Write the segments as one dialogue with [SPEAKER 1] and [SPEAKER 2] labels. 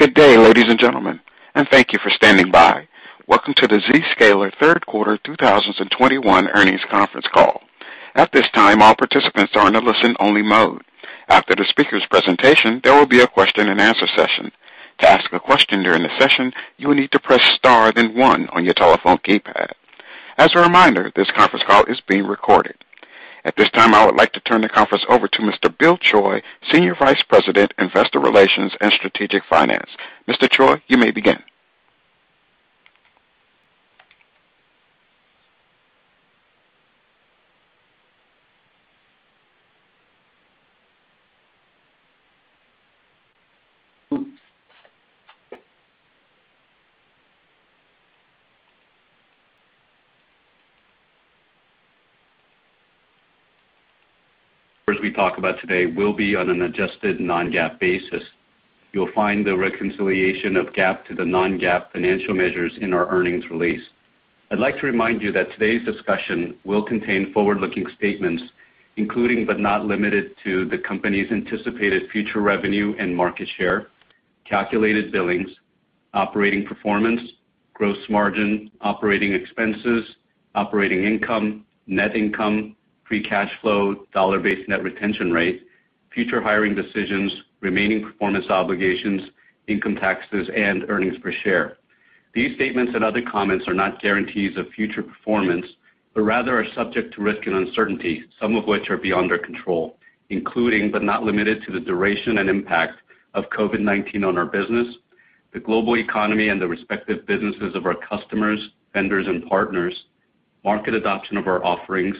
[SPEAKER 1] Good day, ladies and gentlemen, thank you for standing by. Welcome to the Zscaler Third Quarter 2021 Earnings Conference Call. At this time, all participants are in a listen-only mode. After the speaker's presentation, there will be a question-and-answer session. To ask a question during the session, you will need to press star then one on your telephone keypad. As a reminder, this conference call is being recorded. At this time, I would like to turn the conference over to Mr. Bill Choi, Senior Vice President, Investor Relations and Strategic Finance. Mr. Choi, you may begin.
[SPEAKER 2] Numbers we talk about today will be on an adjusted non-GAAP basis. You'll find the reconciliation of GAAP to the non-GAAP financial measures in our earnings release. I'd like to remind you that today's discussion will contain forward-looking statements, including but not limited to the company's anticipated future revenue and market share, calculated billings, operating performance, gross margin, operating expenses, operating income, net income, free cash flow, dollar-based net retention rate, future hiring decisions, remaining performance obligations, income taxes, and earnings per share. These statements and other comments are not guarantees of future performance, but rather are subject to risk and uncertainty, some of which are beyond our control, including but not limited to the duration and impact of COVID-19 on our business, the global economy, and the respective businesses of our customers, vendors, and partners, market adoption of our offerings,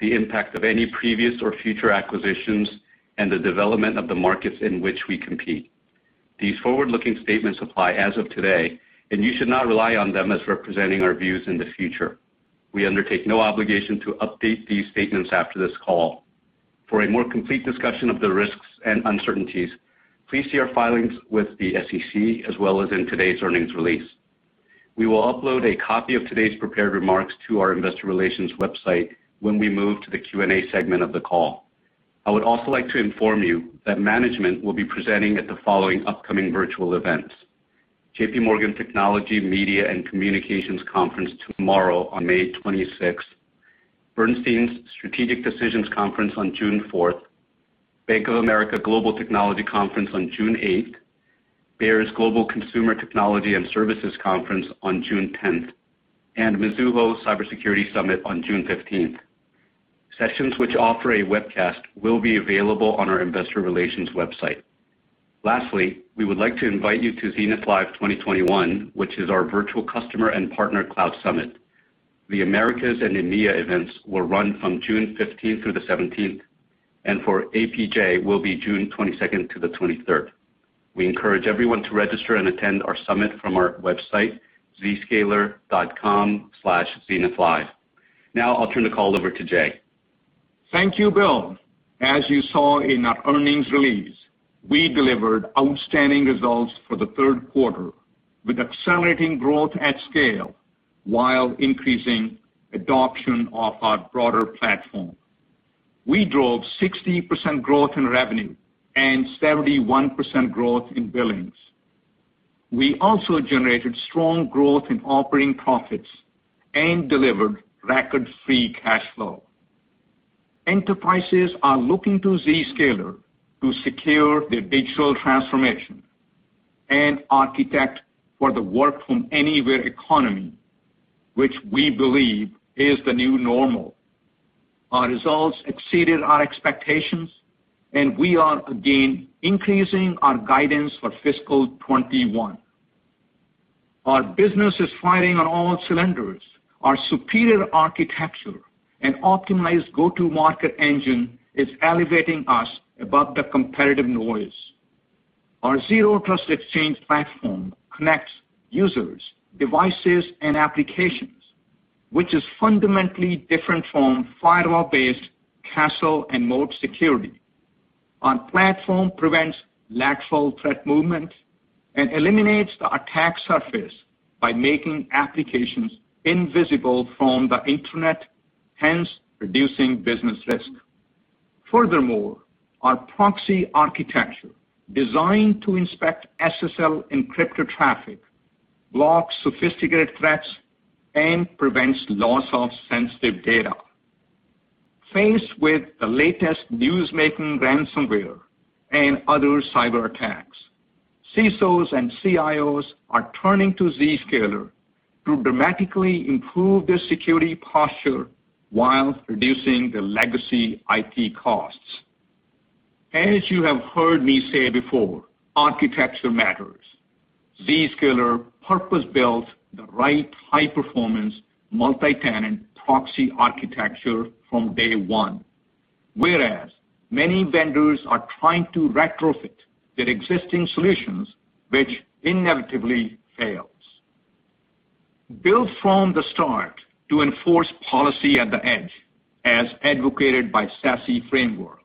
[SPEAKER 2] the impact of any previous or future acquisitions, and the development of the markets in which we compete. These forward-looking statements apply as of today, and you should not rely on them as representing our views in the future. We undertake no obligation to update these statements after this call. For a more complete discussion of the risks and uncertainties, please see our filings with the SEC as well as in today's earnings release. We will upload a copy of today's prepared remarks to our investor relations website when we move to the Q&A segment of the call. I would also like to inform you that management will be presenting at the following upcoming virtual events: JPMorgan Technology, Media, and Communications Conference tomorrow on May 26th, Bernstein's Strategic Decisions Conference on June 4th, Bank of America Global Technology Conference on June 8th, Baird's Global Consumer Technology and Services Conference on June 10th, and Mizuho Cybersecurity Summit on June 15th. Sessions which offer a webcast will be available on our investor relations website. We would like to invite you to Zenith Live 2021, which is our virtual customer and partner cloud summit. The Americas and EMEA events will run from June 15th through the 17th, and for APJ will be June 22nd to the 23rd. We encourage everyone to register and attend our summit from our website, zscaler.com/zenithlive. I'll turn the call over to Jay.
[SPEAKER 3] Thank you, Bill. As you saw in our earnings release, we delivered outstanding results for the third quarter with accelerating growth at scale while increasing adoption of our broader platform. We drove 60% growth in revenue and 71% growth in billings. We also generated strong growth in operating profits and delivered record free cash flow. Enterprises are looking to Zscaler to secure their digital transformation and architect for the work-from-anywhere economy, which we believe is the new normal. Our results exceeded our expectations. We are again increasing our guidance for fiscal 2021. Our business is firing on all cylinders. Our superior architecture and optimized go-to-market engine is elevating us above the competitive noise. Our Zero Trust Exchange platform connects users, devices, and applications, which is fundamentally different from firewall-based castle and moat security. Our platform prevents lateral threat movement and eliminates the attack surface by making applications invisible from the internet, reducing business risk. Our proxy architecture, designed to inspect SSL-encrypted traffic, blocks sophisticated threats and prevents loss of sensitive data. Faced with the latest news-making ransomware and other cyberattacks, CISOs and CIOs are turning to Zscaler to dramatically improve their security posture while reducing their legacy IT costs. As you have heard me say before, architecture matters. Zscaler purpose-built the right high-performance multi-tenant proxy architecture from day one, whereas many vendors are trying to retrofit their existing solutions, which inevitably fails. Built from the start to enforce policy at the edge, as advocated by SASE framework,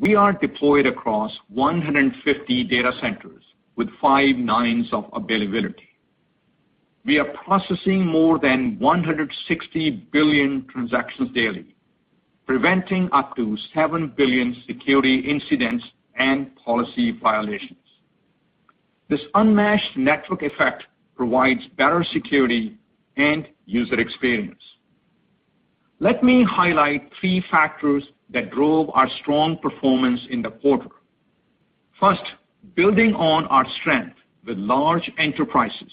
[SPEAKER 3] we are deployed across 150 data centers with five nines of availability. We are processing more than 160 billion transactions daily, preventing up to seven billion security incidents and policy violations. This unmatched network effect provides better security and user experience. Let me highlight three factors that drove our strong performance in the quarter. First, building on our strength with large enterprises,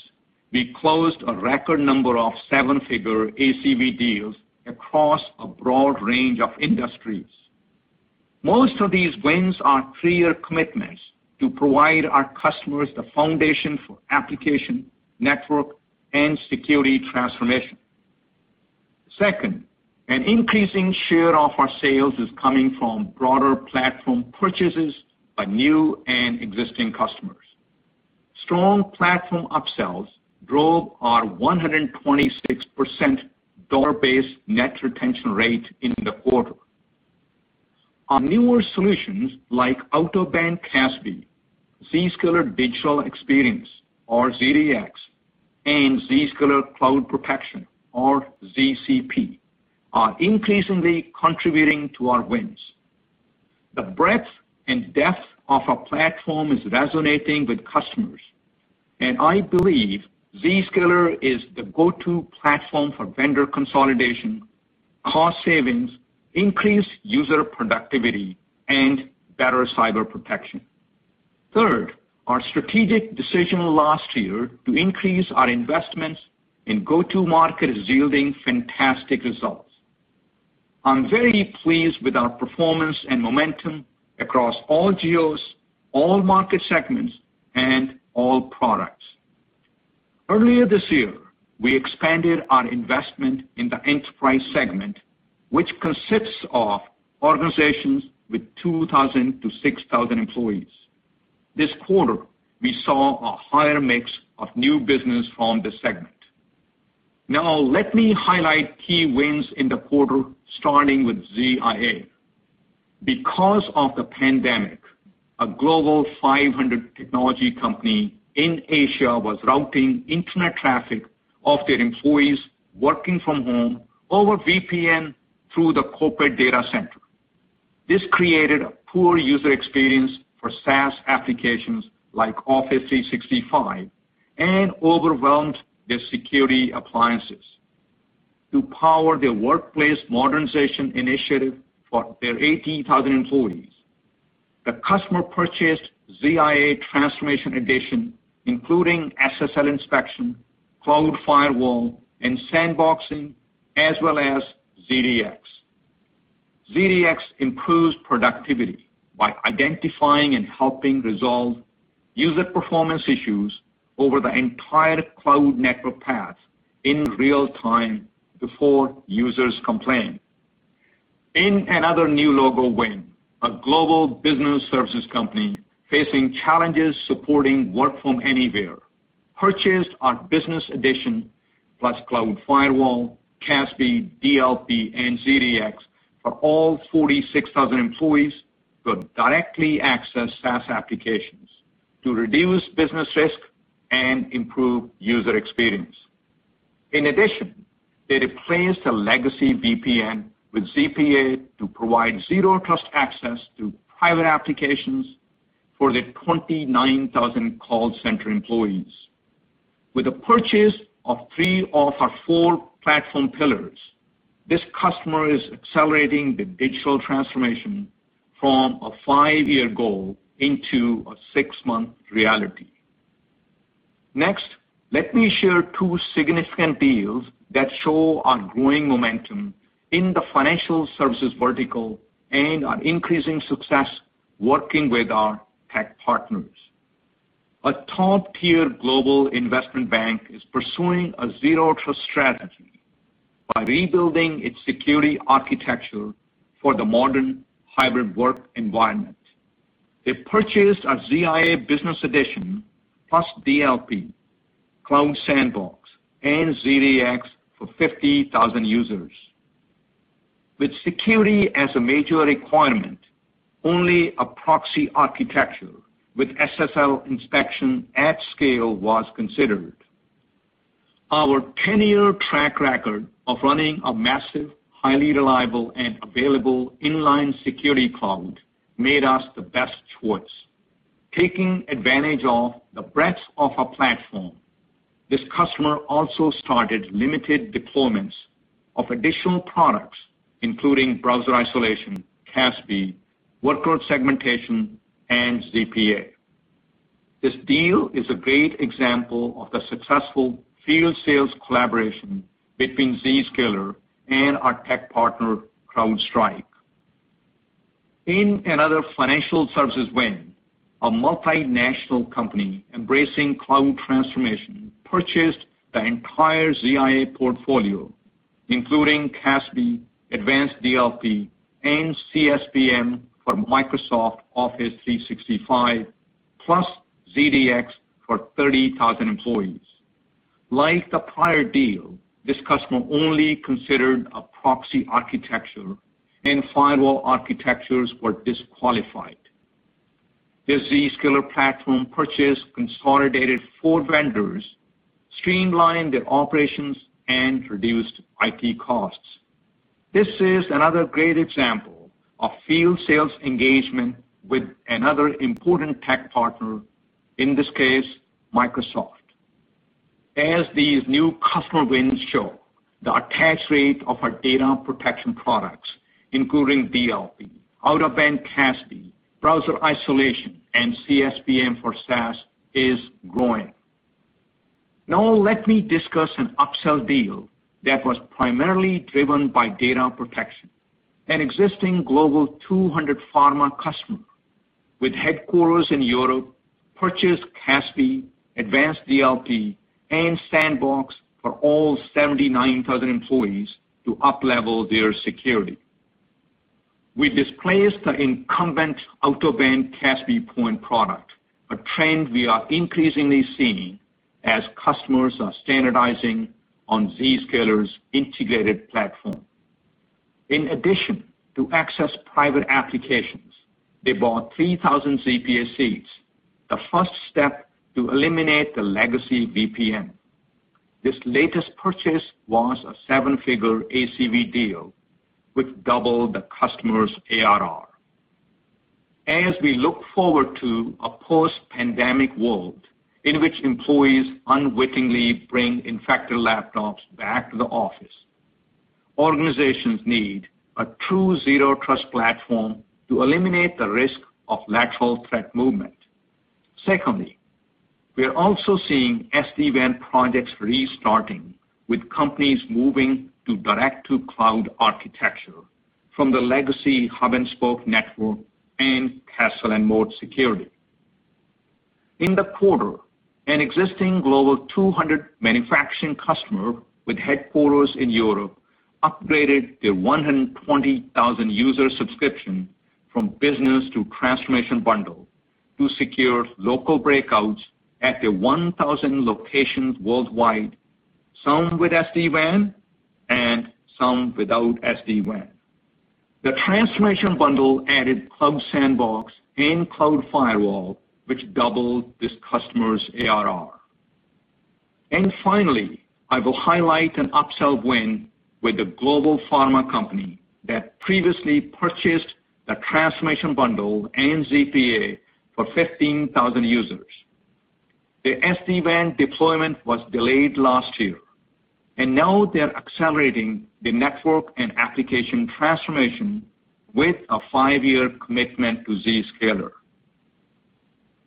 [SPEAKER 3] we closed a record number of seven figure ACV deals across a broad range of industries. Most of these wins are clear commitments to provide our customers the foundation for application, network, and security transformation. Second, an increasing share of our sales is coming from broader platform purchases by new and existing customers. Strong platform upsells drove our 126% dollar-based net retention rate in the quarter. Our newer solutions like Out-of-Band CASB, Zscaler Digital Experience or ZDX, and Zscaler Cloud Protection or ZCP, are increasingly contributing to our wins. The breadth and depth of our platform is resonating with customers, and I believe Zscaler is the go-to platform for vendor consolidation, cost savings, increased user productivity, and better cyber protection. Third, our strategic decision last year to increase our investments in go-to-market is yielding fantastic results. I'm very pleased with our performance and momentum across all geos, all market segments, and all products. Earlier this year, we expanded our investment in the enterprise segment, which consists of organizations with 2,000-6,000 employees. This quarter, we saw a higher mix of new business from this segment. Now let me highlight key wins in the quarter starting with ZIA. Because of the pandemic, a global 500 technology company in Asia was routing internet traffic of their employees working from home over VPN through the corporate data center. This created a poor user experience for SaaS applications like Microsoft 365 and overwhelmed their security appliances. To power their workplace modernization initiative for their 18,000 employees, the customer purchased ZIA Transformation Edition including SSL inspection, Cloud Firewall, and sandboxing, as well as ZDX. ZDX improves productivity by identifying and helping resolve user performance issues over the entire cloud network path in real time before users complain. In another new logo win, a global business services company facing challenges supporting work from anywhere purchased our Cloud Firewall, CASB, DLP, and ZDX for all 46,000 employees to directly access SaaS applications to reduce business risk and improve user experience. In addition, they replaced a legacy VPN with ZPA to provide zero trust access to private applications for their 29,000 call center employees. With the purchase of three of our four platform pillars, this customer is accelerating their digital transformation from a five-year goal into a six-month reality. Next, let me share two significant deals that show our growing momentum in the financial services vertical and our increasing success working with our tech partners. A top-tier global investment bank is pursuing a zero trust strategy by rebuilding its security architecture for the modern hybrid work environment. They purchased our ZIA Business Edition plus DLP, Cloud Sandbox, and ZDX for 50,000 users. With security as a major requirement, only a proxy architecture with SSL inspection at scale was considered. Our 10-year track record of running a massive, highly reliable, and available inline security cloud made us the best choice. Taking advantage of the breadth of our platform, this customer also started limited deployments of additional products, including browser isolation, CASB, workload segmentation, and ZPA. This deal is a great example of the successful field sales collaboration between Zscaler and our tech partner, CrowdStrike. In another financial services win, a multinational company embracing cloud transformation purchased the entire ZIA portfolio, including CASB, Advanced DLP, and CSPM for Microsoft 365, plus ZDX for 30,000 employees. Like the prior deal, this customer only considered a proxy architecture, and firewall architectures were disqualified. This Zscaler platform purchase consolidated four vendors, streamlined their operations, and reduced IT costs. This is another great example of field sales engagement with another important tech partner, in this case, Microsoft. As these new customer wins show, the attach rate of our data protection products, including DLP, Out-of-Band CASB, Browser Isolation, and CSPM for SaaS, is growing. Let me discuss an upsell deal that was primarily driven by data protection. An existing Global 200 pharma customer with headquarters in Europe purchased CASB, Advanced DLP, and Sandbox for all 79,000 employees to uplevel their security. We displaced the incumbent out-of-band CASB point product, a trend we are increasingly seeing as customers are standardizing on Zscaler's integrated platform. In addition to access private applications, they bought 3,000 ZPA seats, the first step to eliminate the legacy VPN. This latest purchase was a seven-figure ACV deal, which doubled the customer's ARR. As we look forward to a post-pandemic world in which employees unwittingly bring infected laptops back to the office, organizations need a true zero trust platform to eliminate the risk of lateral threat movement. Secondly, we are also seeing SD-WAN projects restarting, with companies moving to direct-to-cloud architecture from the legacy hub-and-spoke network and castle-and-moat security. In the quarter, an existing Global 200 manufacturing customer with headquarters in Europe upgraded their 120,000 user subscription from business to transformation bundle to secure local breakouts at their 1,000 locations worldwide, some with SD-WAN and some without SD-WAN. The transformation bundle added Cloud Sandbox and Cloud Firewall, which doubled this customer's ARR. Finally, I will highlight an upsell win with a global pharma company that previously purchased a transformation bundle and ZPA for 15,000 users. Their SD-WAN deployment was delayed last year, and now they're accelerating the network and application transformation with a five-year commitment to Zscaler.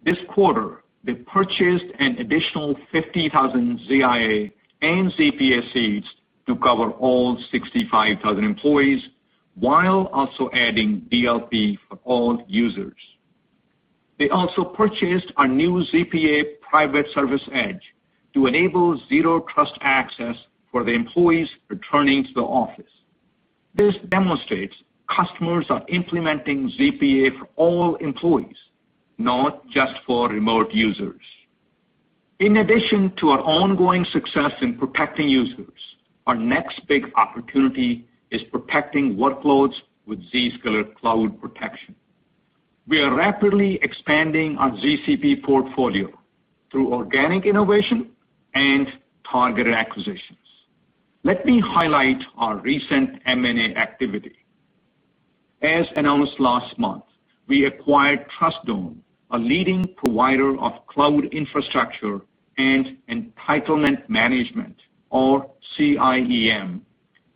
[SPEAKER 3] This quarter, they purchased an additional 50,000 ZIA and ZPA seats to cover all 65,000 employees while also adding DLP for all users. They also purchased our new ZPA Private Service Edge to enable zero trust access for the employees returning to the office. This demonstrates customers are implementing ZPA for all employees, not just for remote users. In addition to our ongoing success in protecting users, our next big opportunity is protecting workloads with Zscaler Cloud Protection. We are rapidly expanding our ZCP portfolio through organic innovation and targeted acquisitions. Let me highlight our recent M&A activity. As announced last month, we acquired Trustdome, a leading provider of cloud infrastructure and entitlement management, or CIEM,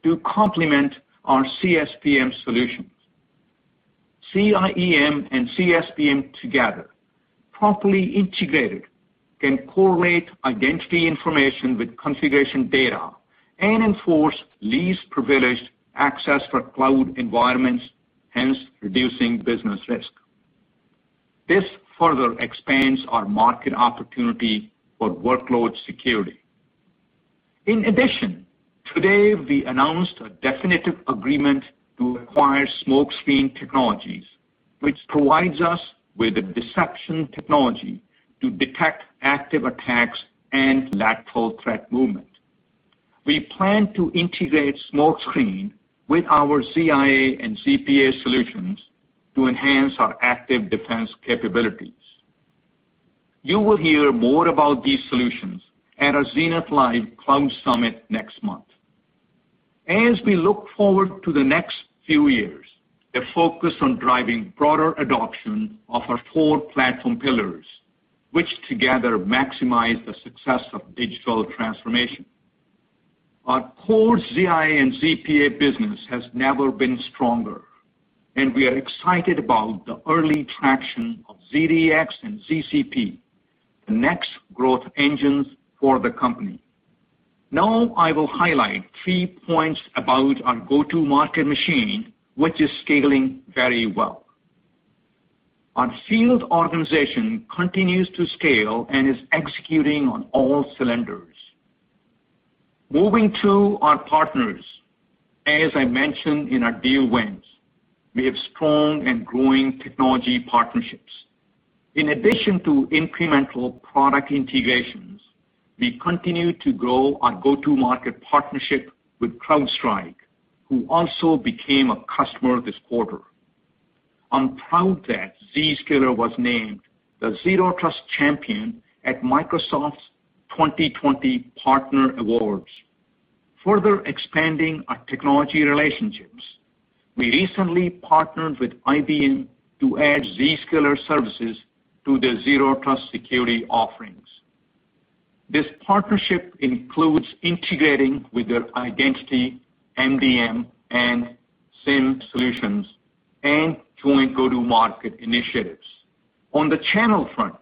[SPEAKER 3] to complement our CSPM solutions. CIEM and CSPM together, properly integrated, can correlate identity information with configuration data and enforce least privileged access for cloud environments, hence reducing business risk. This further expands our market opportunity for workload security. In addition, today we announced a definitive agreement to acquire Smokescreen Technologies, which provides us with a deception technology to detect active attacks and lateral threat movement. We plan to integrate Smokescreen with our ZIA and ZPA solutions to enhance our active defense capabilities. You will hear more about these solutions at our Zenith Live Cloud Summit next month. As we look forward to the next few years, we are focused on driving broader adoption of our four platform pillars, which together maximize the success of digital transformation. Our core ZIA and ZPA business has never been stronger, and we are excited about the early traction of ZDX and ZCP, the next growth engines for the company. Now, I will highlight three points about our go-to-market machine, which is scaling very well. Our field organization continues to scale and is executing on all cylinders. Moving to our partners. As I mentioned in our deal wins, we have strong and growing technology partnerships. In addition to incremental product integrations. We continue to grow our go-to-market partnership with CrowdStrike, who also became a customer this quarter. I'm proud that Zscaler was named the Zero Trust Champion at Microsoft's 2020 Partner Awards, further expanding our technology relationships. We recently partnered with IBM to add Zscaler services to their zero trust security offerings. This partnership includes integrating with their identity, MDM, and SIEM solutions, and joint go-to-market initiatives. On the channel front,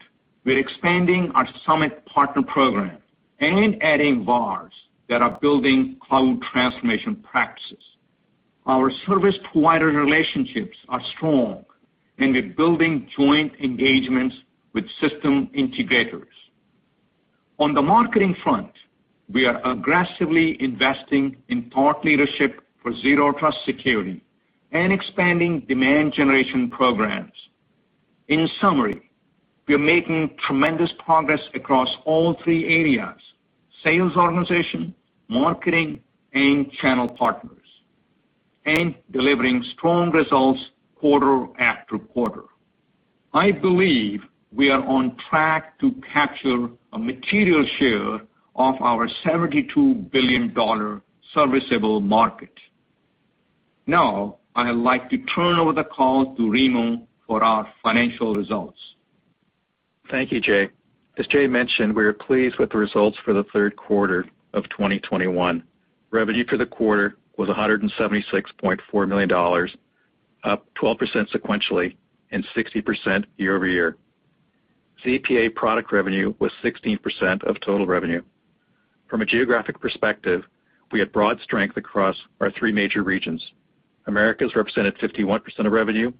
[SPEAKER 3] we're expanding our Summit Partner Program and adding VARs that are building cloud transformation practices. Our service provider relationships are strong, and we're building joint engagements with system integrators. On the marketing front, we are aggressively investing in thought leadership for zero trust security and expanding demand generation programs. In summary, we are making tremendous progress across all three areas, sales organization, marketing, and channel partners, and delivering strong results quarter after quarter. I believe we are on track to capture a material share of our $72 billion serviceable market. Now, I would like to turn over the call to Remo for our financial results.
[SPEAKER 4] Thank you, Jay. As Jay mentioned, we are pleased with the results for the third quarter of 2021. Revenue for the quarter was $176.4 million, up 12% sequentially and 60% year-over-year. ZPA product revenue was 16% of total revenue. From a geographic perspective, we had broad strength across our three major regions. Americas represented 51% of revenue,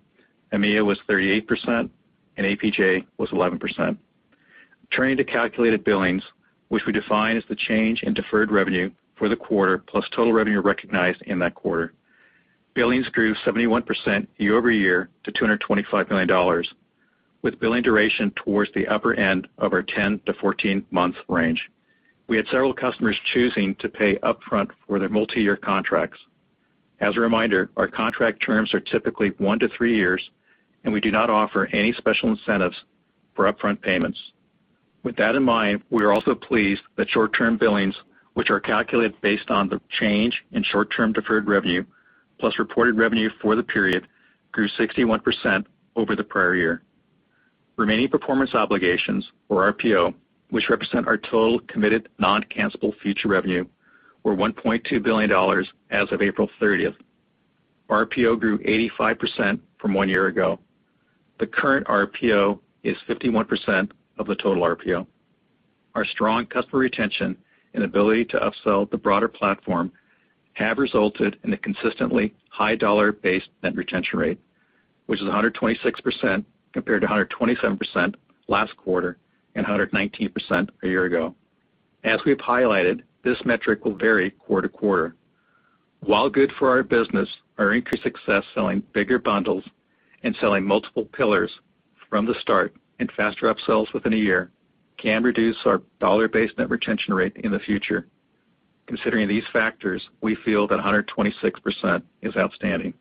[SPEAKER 4] EMEA was 38%, and APJ was 11%. Turning to calculated billings, which we define as the change in deferred revenue for the quarter, plus total revenue recognized in that quarter. Billings grew 71% year-over-year to $225 million, with billing duration towards the upper end of our 10-14-month range. We had several customers choosing to pay upfront for their multi-year contracts. As a reminder, our contract terms are typically one to three years, and we do not offer any special incentives for upfront payments. With that in mind, we are also pleased that short-term billings, which are calculated based on the change in short-term deferred revenue plus reported revenue for the period, grew 61% over the prior year. Remaining performance obligations, or RPO, which represent our total committed non-cancelable future revenue, were $1.2 billion as of April 30th. RPO grew 85% from one year ago. The current RPO is 51% of the total RPO. Our strong customer retention and ability to upsell the broader platform have resulted in a consistently high dollar-based net retention rate, which is 126%, compared to 127% last quarter and 119% a year ago. As we've highlighted, this metric will vary quarter to quarter. While good for our business, our increased success selling bigger bundles and selling multiple pillars from the start and faster upsells within a year can reduce our dollar-based net retention rate in the future. Considering these factors, we feel that 126% is outstanding.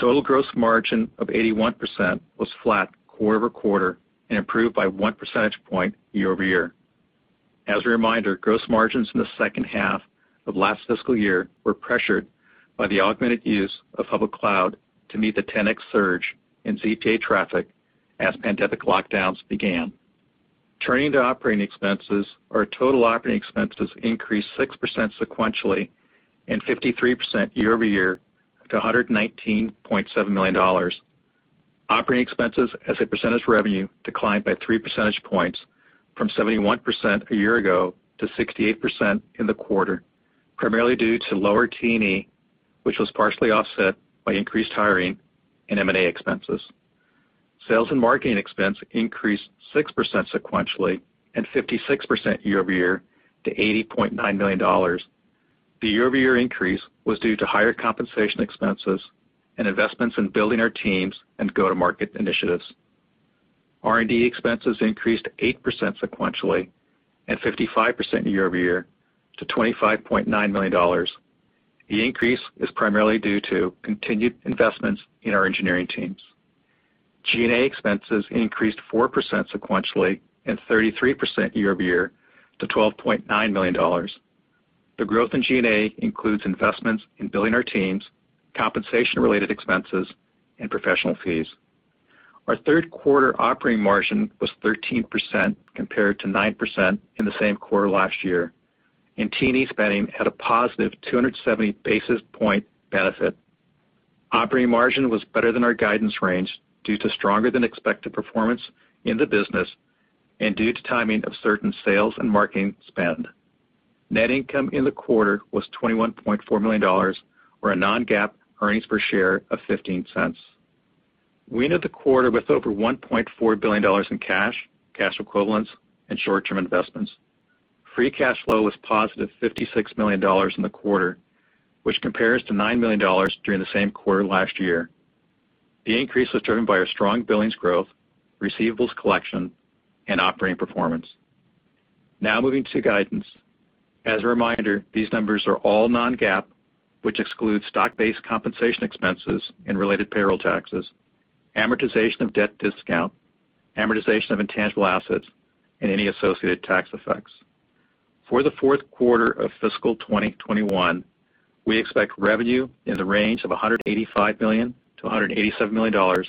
[SPEAKER 4] Total gross margin of 81% was flat quarter-over-quarter and improved by one percentage point year-over-year. As a reminder, gross margins in the second half of last fiscal year were pressured by the augmented use of public cloud to meet the 10X surge in ZPA traffic as pandemic lockdowns began. Turning to operating expenses, our total operating expenses increased 6% sequentially and 53% year-over-year to $119.7 million. Operating expenses as a percentage of revenue declined by three percentage points from 71% a year ago to 68% in the quarter, primarily due to lower T&E, which was partially offset by increased hiring and M&A expenses. Sales and marketing expense increased 6% sequentially and 56% year-over-year to $80.9 million. The year-over-year increase was due to higher compensation expenses and investments in building our teams and go-to-market initiatives. R&D expenses increased 8% sequentially and 55% year-over-year to $25.9 million. The increase is primarily due to continued investments in our engineering teams. G&A expenses increased 4% sequentially and 33% year-over-year to $12.9 million. The growth in G&A includes investments in building our teams, compensation-related expenses, and professional fees. Our third quarter operating margin was 13% compared to 9% in the same quarter last year, and T&E spending had a positive 270 basis point benefit. Operating margin was better than our guidance range due to stronger than expected performance in the business and due to timing of certain sales and marketing spend. Net income in the quarter was $21.4 million, or a non-GAAP earnings per share of $0.15. We ended the quarter with over $1.4 billion in cash equivalents, and short-term investments. Free cash flow was positive $56 million in the quarter, which compares to $9 million during the same quarter last year. The increase was driven by our strong billings growth, receivables collection, and operating performance. Now moving to guidance. As a reminder, these numbers are all non-GAAP, which excludes stock-based compensation expenses and related payroll taxes, amortization of debt discount, amortization of intangible assets, and any associated tax effects. For the fourth quarter of fiscal 2021, we expect revenue in the range of $185 million-$187 million,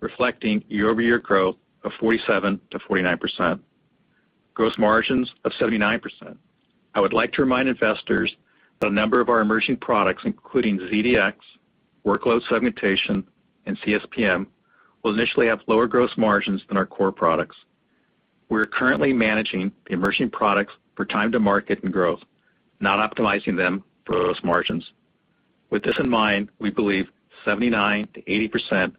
[SPEAKER 4] reflecting year-over-year growth of 47%-49%. Gross margins of 79%. I would like to remind investors that a number of our emerging products, including ZDX, workload segmentation, and CSPM, will initially have lower gross margins than our core products. We are currently managing the emerging products for time to market and growth, not optimizing them for gross margins. With this in mind, we believe 79%-80%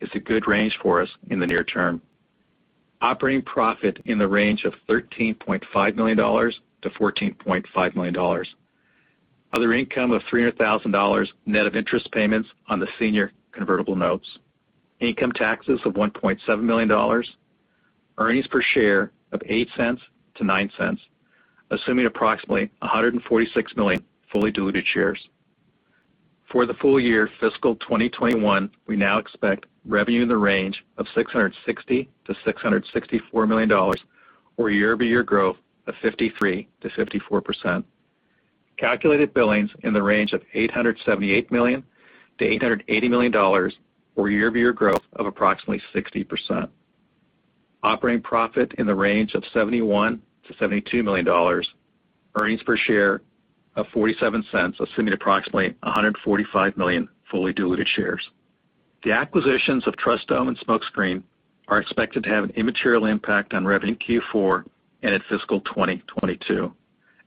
[SPEAKER 4] is a good range for us in the near term. Operating profit in the range of $13.5 million-$14.5 million. Other income of $300,000 net of interest payments on the senior convertible notes. Income taxes of $1.7 million. Earnings per share of $0.08-$0.09, assuming approximately 146 million fully diluted shares. For the full year fiscal 2021, we now expect revenue in the range of $660 million-$664 million, or year-over-year growth of 53%-54%. Calculated billings in the range of $878 million-$880 million, or year-over-year growth of approximately 60%. Operating profit in the range of $71 million-$72 million. Earnings per share of $0.47, assuming approximately 145 million fully diluted shares. The acquisitions of Trustdome and Smokescreen are expected to have an immaterial impact on revenue in Q4 and in fiscal 2022,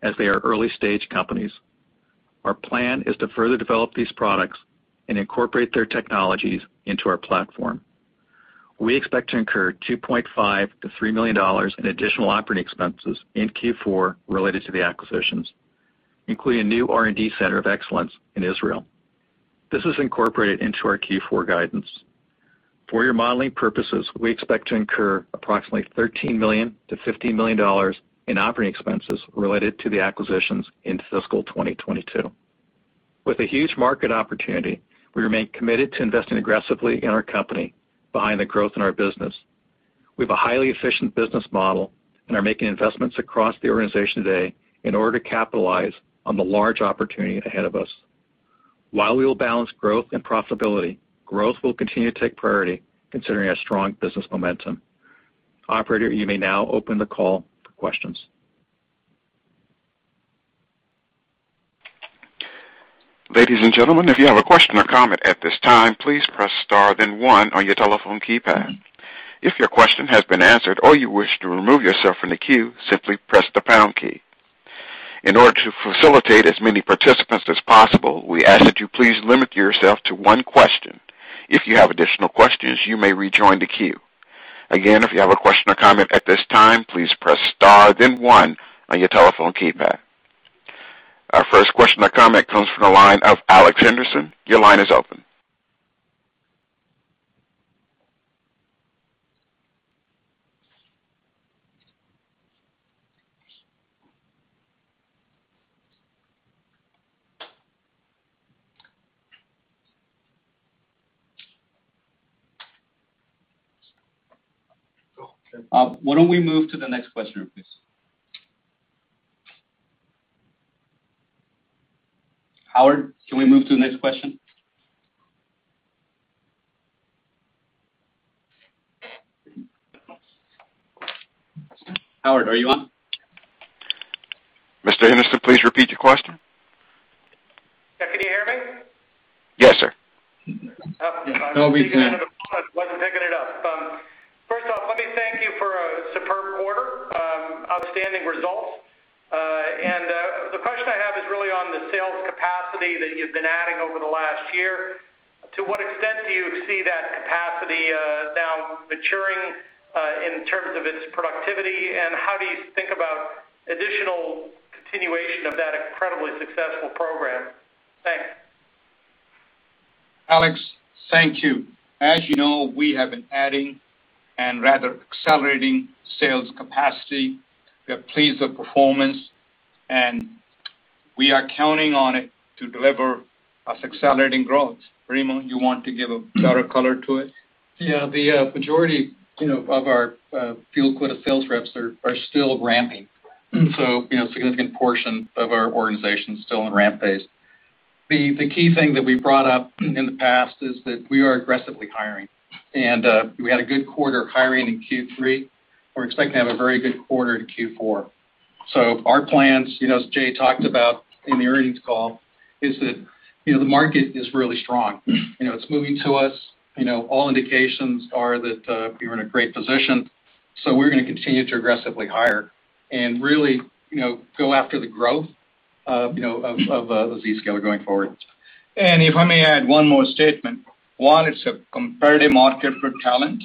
[SPEAKER 4] as they are early-stage companies. Our plan is to further develop these products and incorporate their technologies into our platform. We expect to incur $2.5 million-$3 million in additional operating expenses in Q4 related to the acquisitions, including a new R&D center of excellence in Israel. This is incorporated into our Q4 guidance. For your modeling purposes, we expect to incur approximately $13 million-$15 million in operating expenses related to the acquisitions in fiscal 2022. With a huge market opportunity, we remain committed to investing aggressively in our company behind the growth in our business. We have a highly efficient business model and are making investments across the organization today in order to capitalize on the large opportunity ahead of us. While we will balance growth and profitability, growth will continue to take priority considering our strong business momentum. Operator, you may now open the call for questions.
[SPEAKER 1] Ladies and gentlemen if you have a question or comment at this time please press star then one on your telephone keypad, if your question has been answered or you wish to remove yourself from the queue, simply press the pound key. In order to facilitate as many participants as possible, we ask that you please limit yourself to one question. If you have additional questions, you may rejoin the queue. Again if you have a question or comment at this time please press star then one on your telephone keypad. Our first question or comment comes from the line of Alex Henderson. Your line is open.
[SPEAKER 3] Why don't we move to the next question, please? Howard, can we move to the next question? Howard, are you on?
[SPEAKER 1] Mr. Henderson, please repeat your question.
[SPEAKER 5] Can you hear me?
[SPEAKER 1] Yes, sir.
[SPEAKER 3] No, we can.
[SPEAKER 5] I wasn't picking it up. First off, let me thank you for a superb quarter, outstanding results. The question I have is really on the sales capacity that you've been adding over the last year. To what extent do you see that capacity now maturing in terms of its productivity, and how do you think about additional continuation of that incredibly successful program? Thanks.
[SPEAKER 3] Alex, thank you. As you know, we have been adding and rather accelerating sales capacity that pleased the performance, and we are counting on it to deliver a accelerating growth. Remo, you want to give a broader color to it?
[SPEAKER 4] Yeah. The majority of our field sales reps are still ramping. A significant portion of our organization is still in ramp phase. The key thing that we brought up in the past is that we are aggressively hiring, and we had a good quarter hiring in Q3. We're expecting to have a very good quarter in Q4. Our plans, as Jay talked about in the earnings call, is that the market is really strong. It's moving to us. All indications are that we're in a great position, so we're going to continue to aggressively hire and really go after the growth of Zscaler going forward.
[SPEAKER 3] If I may add one more statement. One, it's a competitive market for talent.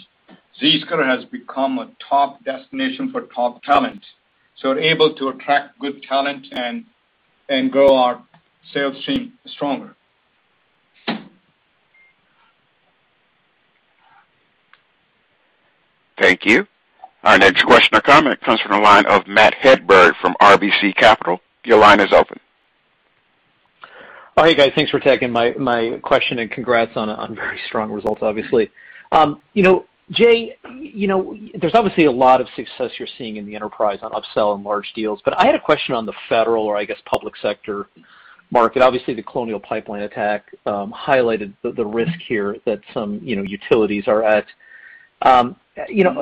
[SPEAKER 3] Zscaler has become a top destination for top talent. Able to attract good talent and Grow our sales team stronger.
[SPEAKER 1] Thank you. Our next question or comment comes from the line of Matthew Hedberg from RBC Capital. Your line is open.
[SPEAKER 6] All right, guys. Thanks for taking my question. Congrats on very strong results, obviously. Jay, there's obviously a lot of success you're seeing in the enterprise on upsell and large deals. I had a question on the federal or I guess public sector market. Obviously, the Colonial Pipeline attack highlighted the risk here that some utilities are at.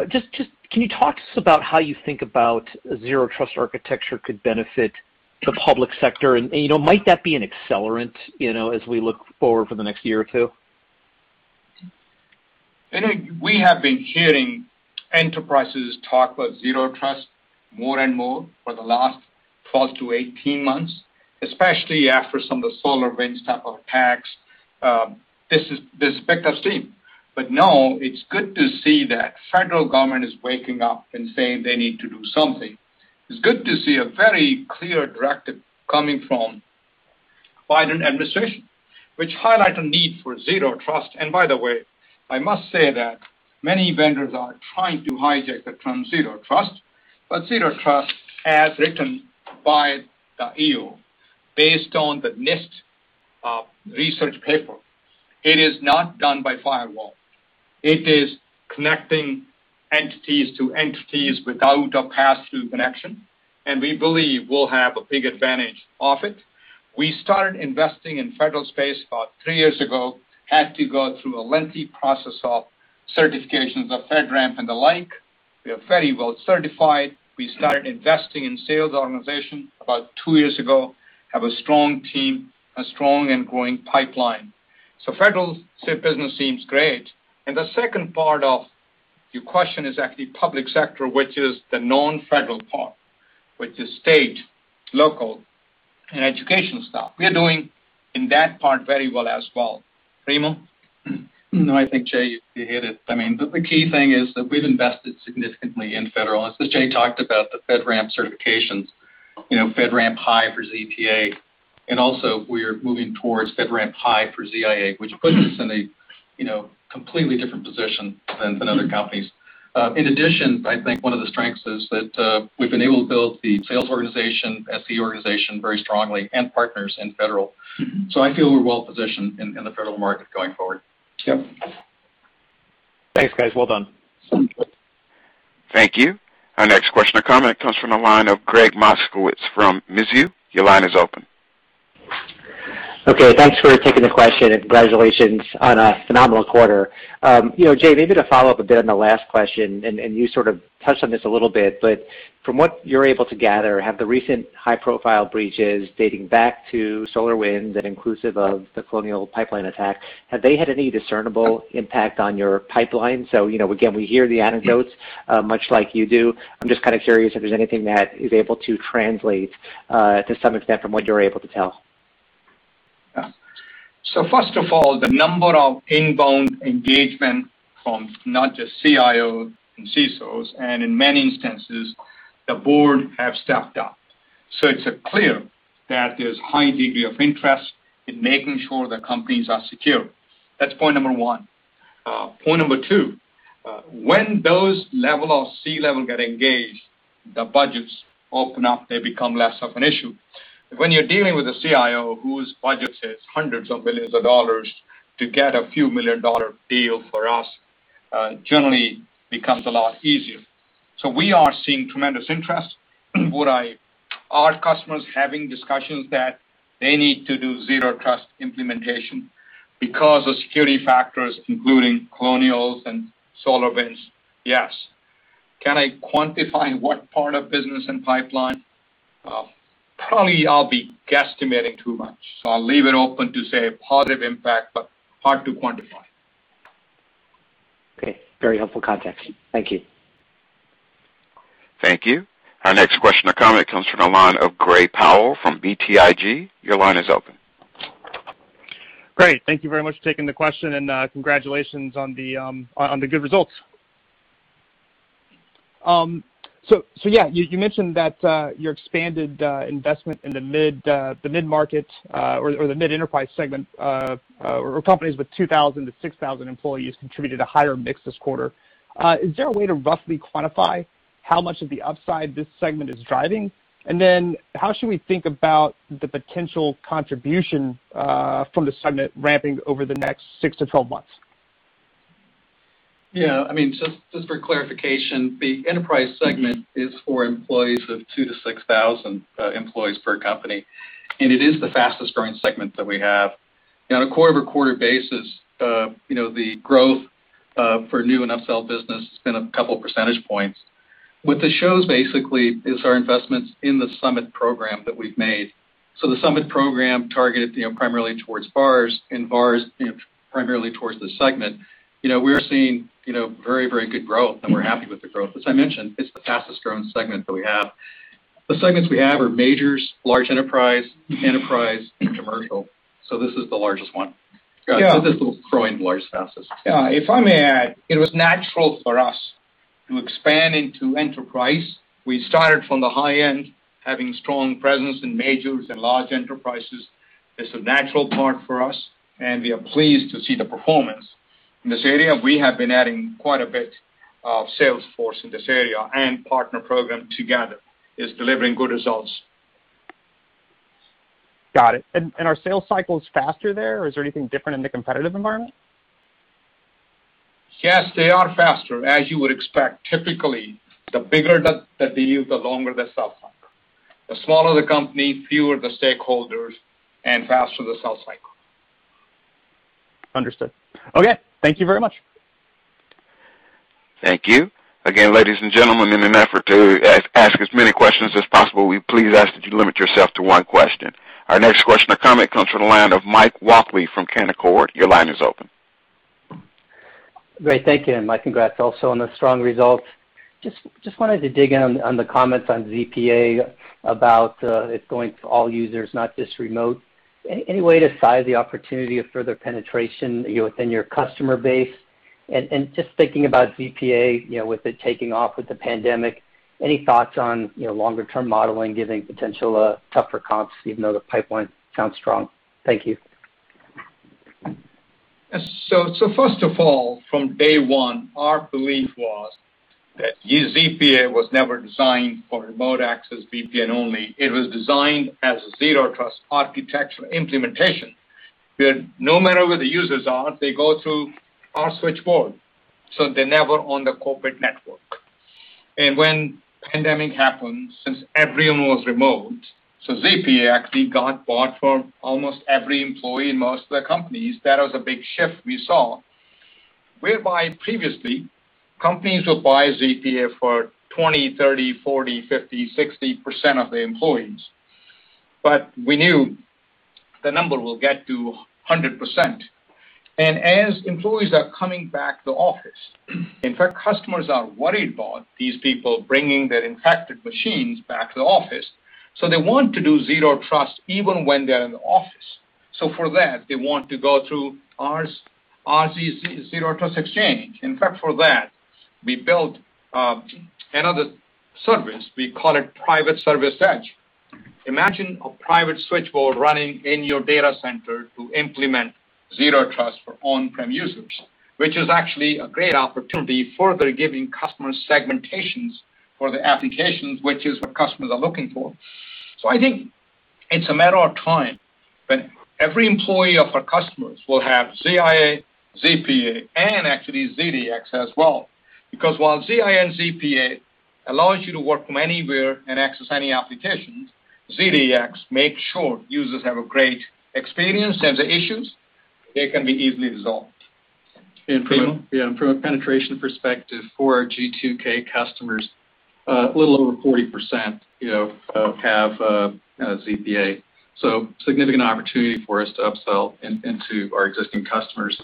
[SPEAKER 6] Just can you talk to us about how you think about zero trust architecture could benefit the public sector? Might that be an accelerant as we look forward over the next year or two?
[SPEAKER 3] I think we have been hearing enterprises talk about zero trust more and more for the last 12 to 18 months, especially after some of the SolarWinds type of attacks. This is the expected thing. Now it's good to see that federal government is waking up and saying they need to do something. It's good to see a very clear directive coming from Biden administration, which highlight a need for zero trust. By the way, I must say that many vendors are trying to hijack the term zero trust, but zero trust as written by the EO, based on the NIST research paper, it is not done by firewall. It is connecting entities to entities without a pass-through connection, and we believe we'll have a big advantage of it. We started investing in federal space about three years ago, had to go through a lengthy process of certifications of FedRAMP and the like. We are FedRAMP well certified. We started investing in sales organization about two years ago, have a strong team, a strong and growing pipeline. Federal business seems great. The second part of your question is actually public sector, which is the non-federal part, which is state, local, and educational stuff. We are doing in that part very well as well. Remo?
[SPEAKER 4] I think Jay, you hit it. I mean, the key thing is that we've invested significantly in federal. As Jay talked about the FedRAMP certifications, FedRAMP high for ZTA, and also we are moving towards FedRAMP high for ZIA, which puts us in a completely different position than other companies. In addition, I think one of the strengths is that we've been able to build the sales organization, SE organization very strongly and partners in federal. I feel we're well positioned in the federal market going forward.
[SPEAKER 6] Yep. Thanks, guys. Well done.
[SPEAKER 1] Thank you. Our next question or comment comes from the line of Gregg Moskowitz from Mizuho. Your line is open.
[SPEAKER 7] Okay. Thanks for taking the question, and congratulations on a phenomenal quarter. Jay, maybe to follow up a bit on the last question, and you sort of touched on this a little bit, but from what you're able to gather, have the recent high-profile breaches dating back to SolarWinds and inclusive of the Colonial Pipeline attack, have they had any discernible impact on your pipeline? Again, we hear the anecdotes, much like you do. I'm just curious if there's anything that is able to translate to some extent from what you're able to tell.
[SPEAKER 3] First of all, the number of inbound engagement from not just CIOs and CISOs, and in many instances, the board have staffed up. It's clear that there's high degree of interest in making sure that companies are secure. That's point number one. Point number two, when those level of C-level get engaged, the budgets open up. They become less of an issue. When you're dealing with a CIO whose budget is hundreds of millions of dollars, to get a few million dollar deal for us generally becomes a lot easier. We are seeing tremendous interest. Would our customers having discussions that they need to do Zero Trust implementation because of security factors, including Colonials and SolarWinds? Yes. Can I quantify what part of business and pipeline? Probably I'll be guesstimating too much. I'll leave it open to say a positive impact, but hard to quantify.
[SPEAKER 7] Okay. Very helpful context. Thank you.
[SPEAKER 1] Thank you. Our next question or comment comes from the line of Gray Powell from BTIG.
[SPEAKER 8] Great. Thank you very much for taking the question. Congratulations on the good results. Yeah, you mentioned that your expanded investment in the mid-market or the mid-enterprise segment, or companies with 2,000-6,000 employees contributed a higher mix this quarter. Is there a way to roughly quantify how much of the upside this segment is driving? How should we think about the potential contribution from the segment ramping over the next six to 12 months?
[SPEAKER 4] I mean, just for clarification, the enterprise segment is for employees of 2-6,000 employees per company. It is the fastest growing segment that we have. On a quarter-over-quarter basis, the growth for new logo business has been a couple percentage points. What this shows basically is our investments in the Summit Partner Program that we've made. The Summit Partner Program targets primarily towards VARs primarily towards this segment. We're seeing very good growth, we're happy with the growth. As I mentioned, it's the fastest growing segment that we have. The segments we have are majors, large enterprise, and commercial. This is the largest one.
[SPEAKER 3] Yeah.
[SPEAKER 4] This is growing the largest, fastest.
[SPEAKER 3] Yeah, if I may add, it was natural for us to expand into enterprise. We started from the high end, having a strong presence in majors and large enterprises. It's a natural part for us, and we are pleased to see the performance. In this area, we have been adding quite a bit of sales force in this area, and partner program together is delivering good results.
[SPEAKER 8] Got it. Are sales cycles faster there? Is there anything different in the competitive environment?
[SPEAKER 3] Yes, they are faster, as you would expect. Typically, the bigger the deal, the longer the sales cycle. The smaller the company, the fewer the stakeholders, and the faster the sales cycle.
[SPEAKER 8] Understood. Okay, thank you very much.
[SPEAKER 1] Thank you. Again, ladies and gentlemen, in an effort to ask as many questions as possible, we please ask that you limit yourself to one question. Our next question or comment comes from the line of T. Michael Walkley from Canaccord. Your line is open.
[SPEAKER 9] Great. Thank you, my congrats also on the strong results. Just wanted to dig in on the comments on ZPA about it going to all users, not just remote. Any way to size the opportunity of further penetration within your customer base? Just thinking about ZPA, with it taking off with the pandemic, any thoughts on longer-term modeling giving potential tougher comps, even though the pipeline sounds strong? Thank you.
[SPEAKER 3] First of all, from day one, our belief was that ZPA was never designed for remote access VPN only. It was designed as a Zero Trust architecture implementation, where no matter where the users are, they go through our switchboard, so they're never on the corporate network. When the pandemic happened, since everyone was remote, so ZPA actually got bought for almost every employee in most of the companies. That was a big shift we saw. Whereby previously, companies would buy ZPA for 20%, 30%, 40%, 50%, 60% of the employees. We knew the number will get to 100%. As employees are coming back to the office, in fact, customers are worried about these people bringing their infected machines back to the office. They want to do Zero Trust even when they're in the office. For that, they want to go through our Zero Trust Exchange. In fact, for that, we built another service. We call it Private Service Edge. Imagine a private switchboard running in your data center to implement zero trust for on-prem users, which is actually a great opportunity for further giving customer segmentations for the applications, which is what customers are looking for. I think it's a matter of time when every employee of our customers will have ZIA, ZPA, and actually ZDX as well. While ZIA and ZPA allows you to work from anywhere and access any applications, ZDX makes sure users have a great experience, and the issues, they can be easily resolved.
[SPEAKER 4] From a penetration perspective for our G2K customers, a little over 40% have ZPA. Significant opportunity for us to upsell into our existing customers.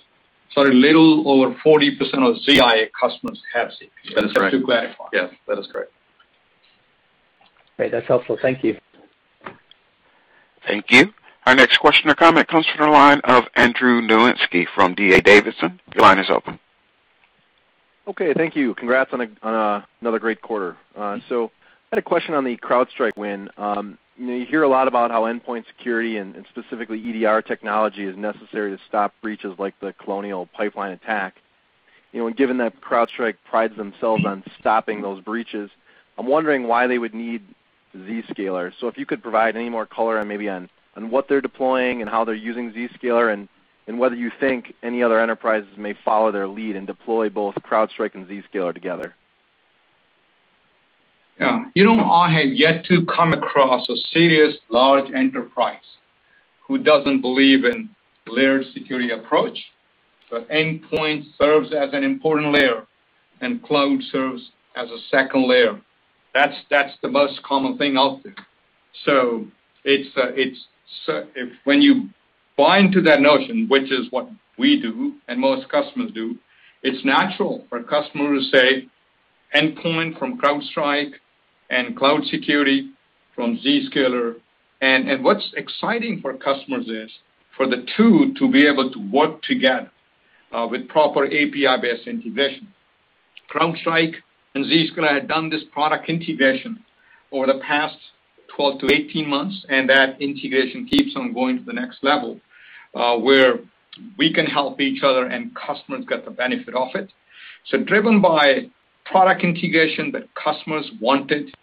[SPEAKER 3] Sorry, a little over 40% of ZIA customers have ZPA.
[SPEAKER 4] That's right. That's too bad. Yeah, that is correct.
[SPEAKER 9] Great. That's helpful. Thank you.
[SPEAKER 1] Thank you. Our next question or comment comes from the line of Andrew Nowinski from D.A. Davidson. Your line is open.
[SPEAKER 10] Okay, thank you. Congrats on another great quarter. I had a question on the CrowdStrike win. You hear a lot about how endpoint security and specifically EDR technology is necessary to stop breaches like the Colonial Pipeline attack. Given that CrowdStrike prides themselves on stopping those breaches, I'm wondering why they would need Zscaler. If you could provide any more color maybe on what they're deploying and how they're using Zscaler, and whether you think any other enterprises may follow their lead and deploy both CrowdStrike and Zscaler together.
[SPEAKER 3] Yeah. I have yet to come across a serious large enterprise who doesn't believe in layered security approach. Endpoint serves as an important layer, and cloud serves as a second layer. That's the most common thing out there. When you buy into that notion, which is what we do and most customers do, it's natural for a customer to say, "Endpoint from CrowdStrike and cloud security from Zscaler." What's exciting for customers is for the two to be able to work together with proper API-based integration. CrowdStrike and Zscaler have done this product integration over the past 12-18 months, and that integration keeps on going to the next level, where we can help each other and customers get the benefit of it. Driven by product integration that customers wanted,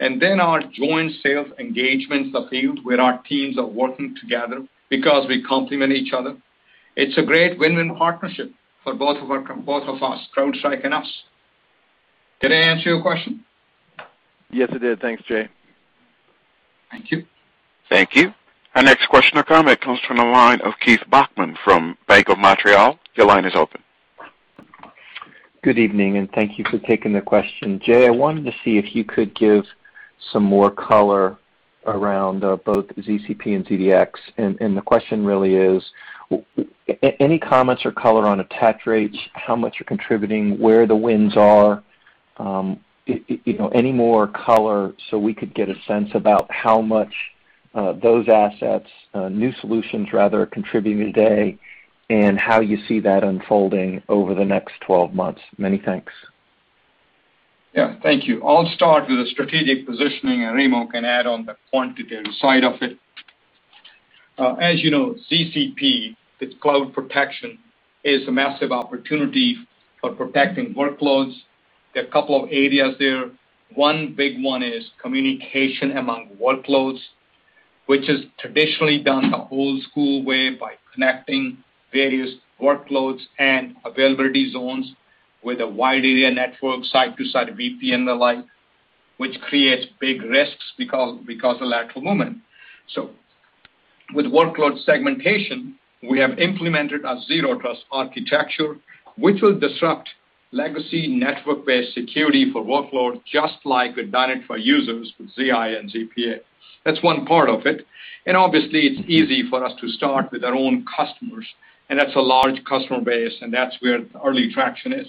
[SPEAKER 3] and then our joint sales engagements are themed where our teams are working together because we complement each other. It's a great win-win partnership for both of us, CrowdStrike and us. Did I answer your question?
[SPEAKER 10] Yes, it did. Thanks, Jay.
[SPEAKER 3] Thank you.
[SPEAKER 1] Thank you. Our next question or comment comes from the line of Keith Bachman from. Your line is open.
[SPEAKER 11] Good evening, thank you for taking the question. Jay, I wanted to see if you could give some more color around both ZCP and ZDX. The question really is, any comments or color on attach rates, how much you're contributing, where the wins are? Those assets, new solutions rather contribute today, and how you see that unfolding over the next 12 months. Many thanks.
[SPEAKER 3] Yeah, thank you. I'll start with the strategic positioning, and Remo can add on the quantitative side of it. As you know, ZCP, with cloud protection, is a massive opportunity for protecting workloads. There are a couple of areas there. One big one is communication among workloads, which is traditionally done the old school way by connecting various workloads and availability zones with a wide area network, site to site, VPN and the like, which creates big risks because of lack of movement. With workload segmentation, we have implemented a zero trust architecture, which will disrupt legacy network-based security for workload, just like we've done it for users with ZIA and ZPA. That's one part of it. Obviously, it's easy for us to start with our own customers, and that's a large customer base, and that's where the early traction is.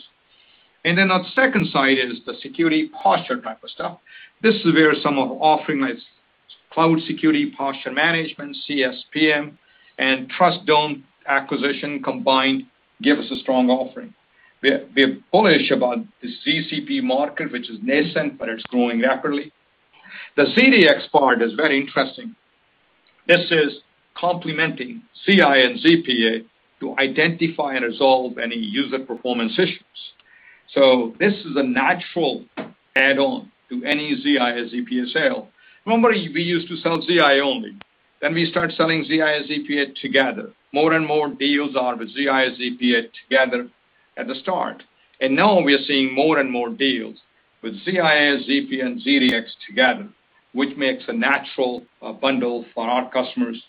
[SPEAKER 3] On the second side is the security posture type of stuff. This is where some of offering like Cloud Security Posture Management, CSPM, and Trustdome acquisition combined give us a strong offering. We are bullish about the ZCP market, which is nascent, but it's growing rapidly. The ZDX part is very interesting. This is complementing ZIA and ZPA to identify and resolve any user performance issues. This is a natural add-on to any ZIA and ZPA sale. Remember, we used to sell ZIA only, then we start selling ZIA and ZPA together. More and more deals are the ZIA, ZPA together at the start. Now we are seeing more and more deals with ZIA, ZPA, and ZDX together, which makes a natural bundle for our customers,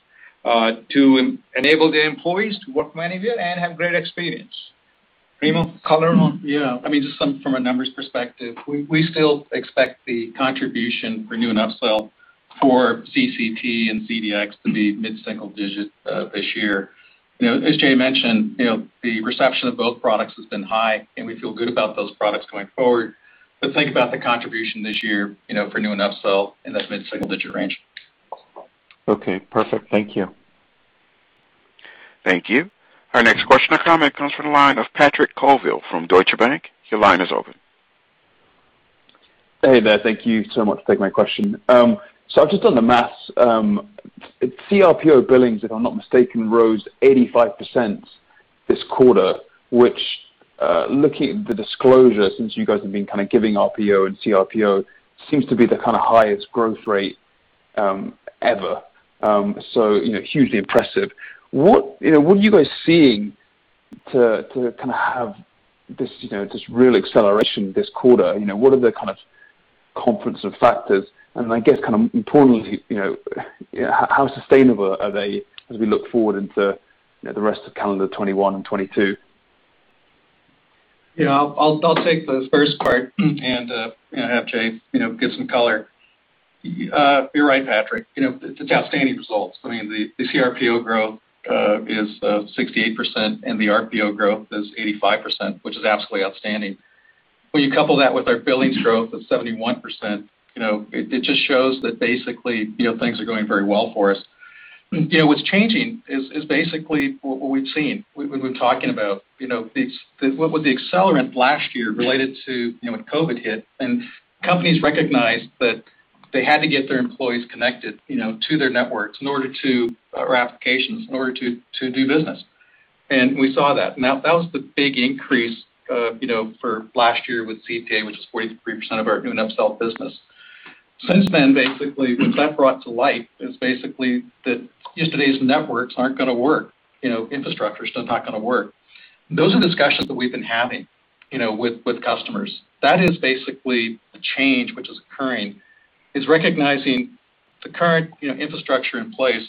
[SPEAKER 3] to enable the employees to work from anywhere and have great experience. Remo, color?
[SPEAKER 4] I mean, from a numbers perspective, we still expect the contribution for new net sale for ZCP and ZDX to be mid-single digits this year. As Jay mentioned, the reception of both products has been high, and we feel good about those products going forward. Think about the contribution this year, for new net sale in that mid-single digit range.
[SPEAKER 11] Okay, perfect. Thank you.
[SPEAKER 1] Thank you. Our next question or comment comes from the line of Patrick Colville from Deutsche Bank.
[SPEAKER 12] Hey there. Thank you so much for taking my question. I've just done the math. CRPO billings, if I'm not mistaken, rose 85% this quarter, which, looking at the disclosure since you guys have been giving RPO and CRPO, seems to be the highest growth rate ever. Hugely impressive. What are you guys seeing to have this real acceleration this quarter? What are the confidence factors? I guess importantly, how sustainable are they as we look forward into the rest of calendar 2021 and 2022?
[SPEAKER 4] Yeah, I'll take the first part and have Jay give some color. You're right, Patrick. It's outstanding results. I mean, the CRPO growth is 68%, and the RPO growth is 85%, which is absolutely outstanding. When you couple that with our billings growth of 71%, it just shows that basically, things are going very well for us. What's changing is basically what we've seen, we've been talking about. With the accelerant last year related to when COVID-19 hit, companies recognized that they had to get their employees connected to their networks or applications in order to do business. We saw that. Now, that was the big increase for last year with ZPA, which is 43% of our new net sale business. Since then, basically, what that brought to life is basically that yesterday's networks aren't going to work. Infrastructure's just not going to work. Those are discussions that we've been having with customers. That is basically the change which is occurring. It's recognizing the current infrastructure in place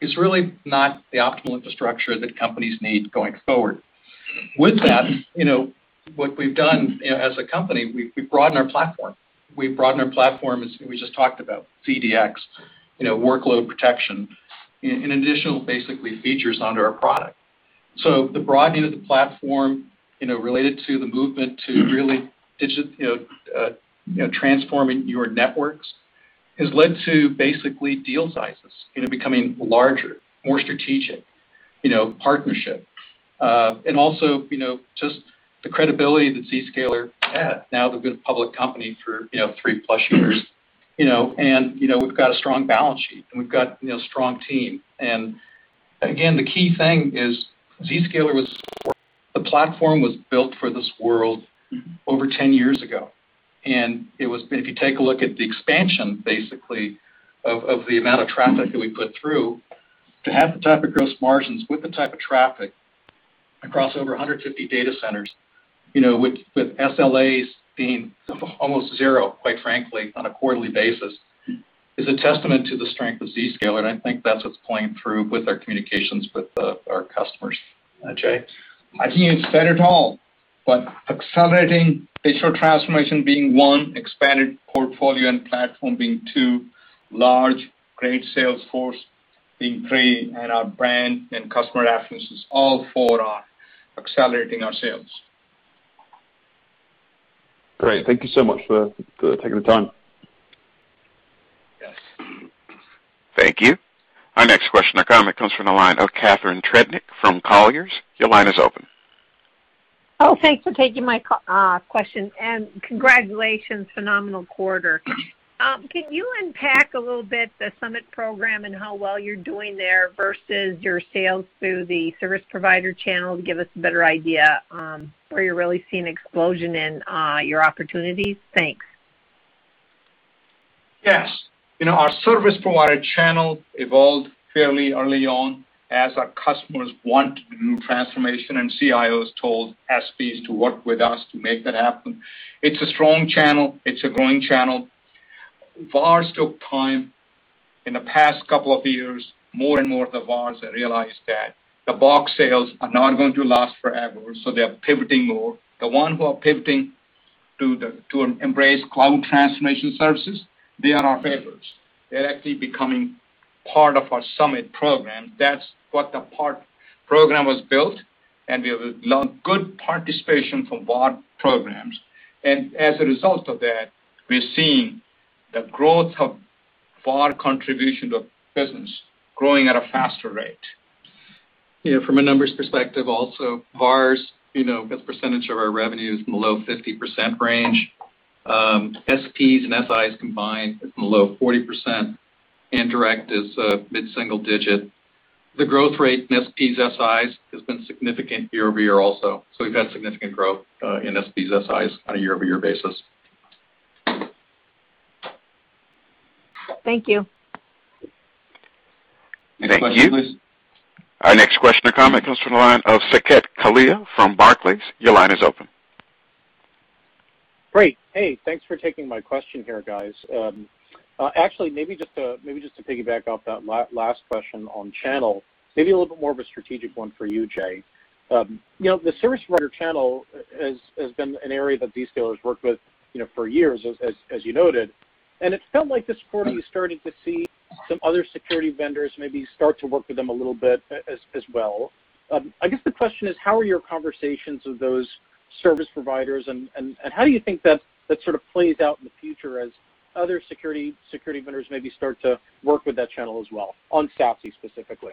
[SPEAKER 4] is really not the optimal infrastructure that companies need going forward. With that, what we've done as a company, we've broadened our platform. We've broadened our platform as we just talked about ZDX, workload protection, and additional basically features onto our product. The broadening of the platform related to the movement to really digitally transforming your networks has led to basically deal sizes becoming larger, more strategic, partnership. Also, just the credibility that Zscaler had now we've been a public company for three plus years. We've got a strong balance sheet, and we've got a strong team. Again, the key thing is the platform was built for this world over 10 years ago, if you take a look at the expansion, basically, of the amount of traffic that we put through, to have the type of gross margins with the type of traffic across over 150 data centers, with SLAs being almost zero, quite frankly, on a quarterly basis, is a testament to the strength of Zscaler. I think that's what's going through with our communications with our customers. Jay?
[SPEAKER 3] I think you said it all. Accelerating digital transformation being one, expanded portfolio and platform being two, large great sales force being three, our brand and customer references all four are accelerating our sales.
[SPEAKER 12] Great. Thank you so much for taking the time.
[SPEAKER 3] Yes.
[SPEAKER 1] Thank you. Our next question or comment comes from the line of Catharine Trebnick from Colliers. Your line is open.
[SPEAKER 13] Thanks for taking my question. Congratulations. Phenomenal quarter. Can you unpack a little bit the Summit program and how well you're doing there versus your sales through the service provider channel to give us a better idea where you're really seeing explosion in your opportunities? Thanks.
[SPEAKER 3] Yes. Our service provider channel evolved fairly early on as our customers want to do transformation, and CIOs told SPs to work with us to make that happen. It's a strong channel. It's a growing channel. VARs took time. In the past couple of years, more and more of the VARs have realized that the box sales are not going to last forever, so they're pivoting more. The ones who are pivoting to embrace cloud transformation services, they are our favorites. They're actually becoming part of our Summit Partner Program. That's what the partner program was built, and we have a good participation from VAR programs. As a result of that, we're seeing the growth of VAR contribution to business growing at a faster rate.
[SPEAKER 4] From a numbers perspective, VARs, as a percentage of our revenue is in the low 50% range. SPs and SIs combined is in the low 40%. Indirect is mid-single digit. The growth rate in SPs, SIs has been significant year-over-year also. We've had significant growth in SPs, SIs on a year-over-year basis.
[SPEAKER 13] Thank you.
[SPEAKER 4] Thank you.
[SPEAKER 3] Next question, please.
[SPEAKER 1] Our next question or comment comes from the line of Saket Kalia from Barclays. Your line is open.
[SPEAKER 14] Great. Hey, thanks for taking my question here, guys. Actually, maybe just to piggyback off that last question on channel, maybe a little bit more of a strategic one for you, Jay. The service provider channel has been an area that Zscaler's worked with for years, as you noted, and it felt like this quarter you're starting to see some other security vendors maybe start to work with them a little bit as well. I guess the question is, how are your conversations with those service providers, and how do you think that sort of plays out in the future as other security vendors maybe start to work with that channel as well, on SASE specifically?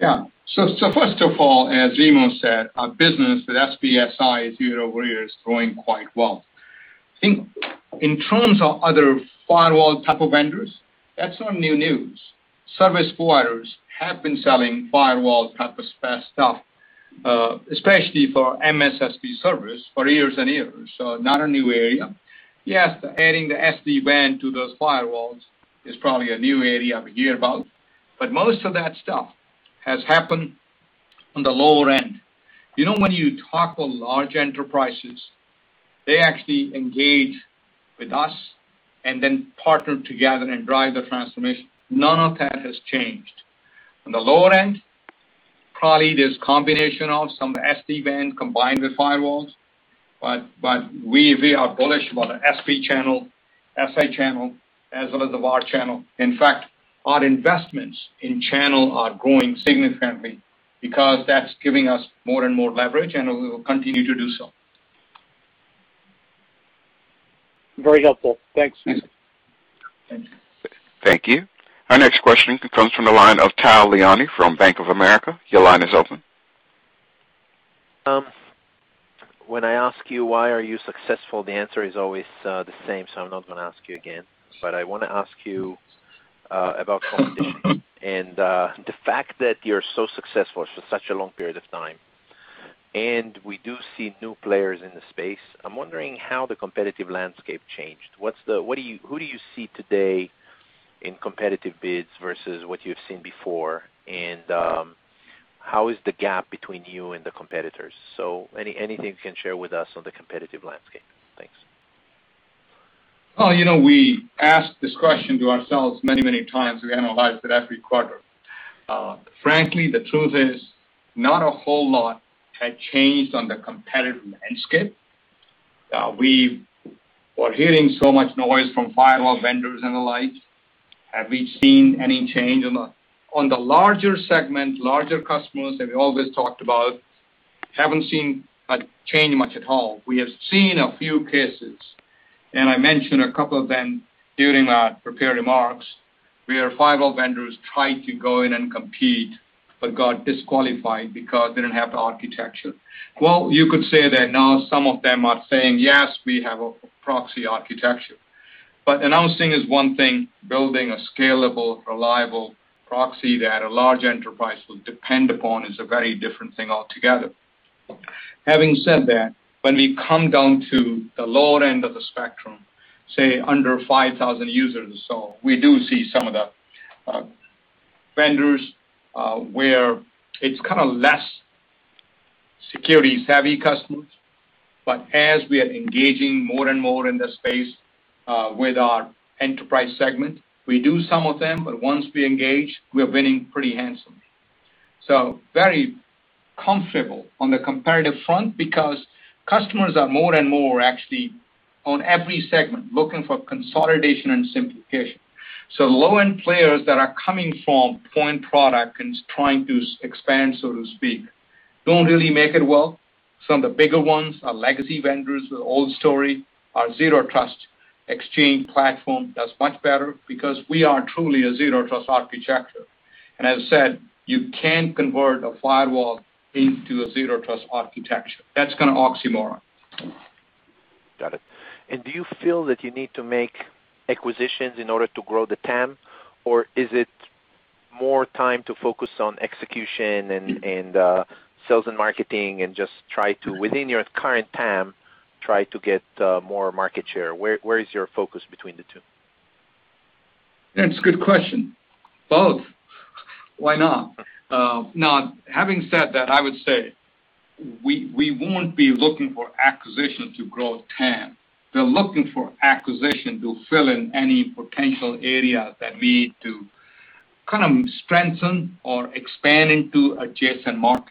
[SPEAKER 3] Yeah. First of all, as Remo said, our business with SP/SI year-over-year is growing quite well. In terms of other firewall type of vendors, that's not new news. Service providers have been selling firewall type of stuff, especially for MSSP service, for years and years. Not a new area. Yes, adding the SD-WAN to those firewalls is probably a new area of a year about, but most of that stuff has happened on the lower end. When you talk with large enterprises, they actually engage with us and then partner together and drive the transformation. None of that has changed. On the lower end, probably there's combination of some SD-WAN combined with firewalls, but we are bullish about the SP channel, SI channel, as well as the VAR channel. In fact, our investments in channel are growing significantly because that's giving us more and more leverage. We will continue to do so.
[SPEAKER 14] Very helpful. Thanks.
[SPEAKER 3] Thank you.
[SPEAKER 1] Thank you. Our next question comes from the line of Tal Liani from Bank of America. Your line is open.
[SPEAKER 15] When I ask you why are you successful, the answer is always the same, so I'm not going to ask you again. I want to ask you about competition and the fact that you're so successful for such a long period of time, and we do see new players in the space. I'm wondering how the competitive landscape changed. Who do you see today in competitive bids versus what you've seen before, and how is the gap between you and the competitors? Anything you can share with us on the competitive landscape. Thanks.
[SPEAKER 3] We ask this question to ourselves many, many times. We analyze it every quarter. The truth is, not a whole lot had changed on the competitive landscape. We were hearing so much noise from firewall vendors and the like. Have we seen any change? On the larger segment, larger customers that we always talked about, haven't seen a change much at all. We have seen a few cases, and I mentioned a couple of them during our prepared remarks, where firewall vendors tried to go in and compete but got disqualified because they didn't have the architecture. Well, you could say that now some of them are saying, "Yes, we have a proxy architecture." Announcing is one thing. Building a scalable, reliable proxy that a large enterprise will depend upon is a very different thing altogether. Having said that, when we come down to the lower end of the spectrum, say, under 5,000 users or so, we do see some of the vendors, where it's kind of less security-savvy customers. As we are engaging more and more in the space, with our enterprise segment, we do some of them, but once we engage, we are winning pretty handsomely. Very comfortable on the competitive front because customers are more and more actually on every segment, looking for consolidation and simplification. Low-end players that are coming from point product and trying to expand, so to speak, don't really make it well. Some of the bigger ones are legacy vendors. The old story, our Zero Trust Exchange platform does much better because we are truly a zero trust architecture. As I said, you can't convert a firewall into a zero trust architecture. That's kind of oxymoron.
[SPEAKER 15] Got it. Do you feel that you need to make acquisitions in order to grow the TAM, or is it more time to focus on execution and sales and marketing and just try to, within your current TAM, try to get more market share? Where is your focus between the two?
[SPEAKER 3] That's a good question. Both. Why not? Having said that, I would say we won't be looking for acquisitions to grow TAM. We're looking for acquisition to fill in any potential area that we need to strengthen or expand into adjacent markets.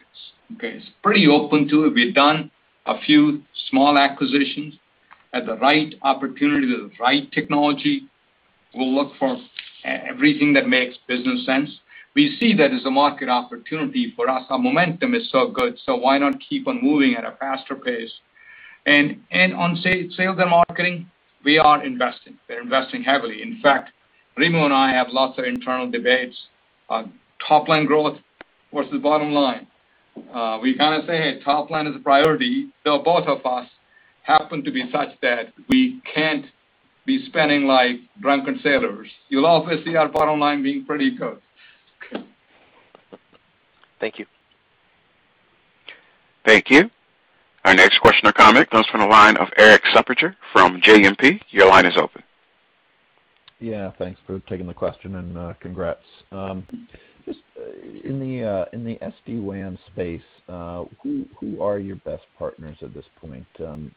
[SPEAKER 3] It's pretty open to it. We've done a few small acquisitions. At the right opportunity, the right technology, we'll look for everything that makes business sense. We see that as a market opportunity for us. Our momentum is so good, so why not keep on moving at a faster pace? On sales and marketing, we are investing. We're investing heavily. In fact, Remo and I have lots of internal debates on top-line growth versus bottom line. We say, "Top line is a priority," though both of us happen to be such that we can't be spending like drunken sailors. You'll also see our bottom line being pretty good.
[SPEAKER 15] Thank you.
[SPEAKER 1] Thank you. Our next question or comment comes from the line of Erik Suppiger from JMP. Your line is open.
[SPEAKER 16] Yeah, thanks for taking the question, and congrats. Just in the SD-WAN space, who are your best partners at this point?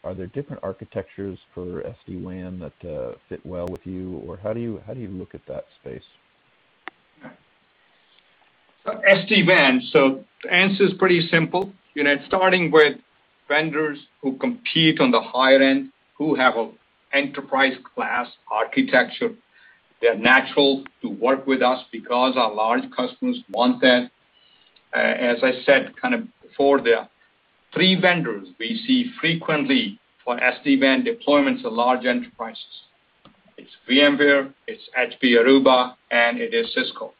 [SPEAKER 16] Are there different architectures for SD-WAN that fit well with you, or how do you look at that space?
[SPEAKER 3] SD-WAN. The answer's pretty simple. Starting with vendors who compete on the high end, who have enterprise class architecture, they're natural to work with us because our large customers want that. As I said before, the three vendors we see frequently for SD-WAN deployments are large enterprises. It's VMware, it's HP Aruba, and it is Cisco.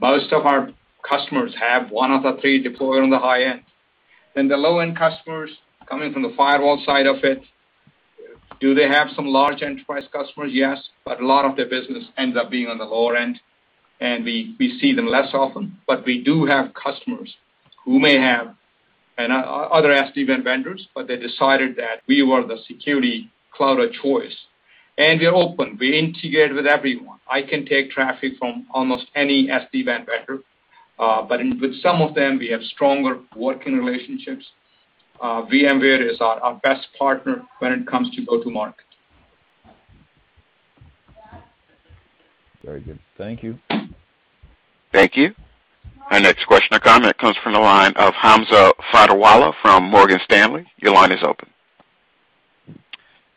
[SPEAKER 3] Most of our customers have one of the three deployed on the high end. The low-end customers coming from the firewall side of it, do they have some large enterprise customers? Yes. A lot of the business ends up being on the lower end, and we see them less often. We do have customers who may have other SD-WAN vendors, but they decided that we were the security cloud of choice. We're open. We integrate with everyone. I can take traffic from almost any SD-WAN vendor. With some of them, we have stronger working relationships. VMware is our best partner when it comes to go to market.
[SPEAKER 16] Very good. Thank you.
[SPEAKER 1] Thank you. Our next question or comment comes from the line of Hamza Fodderwala from Morgan Stanley. Your line is open.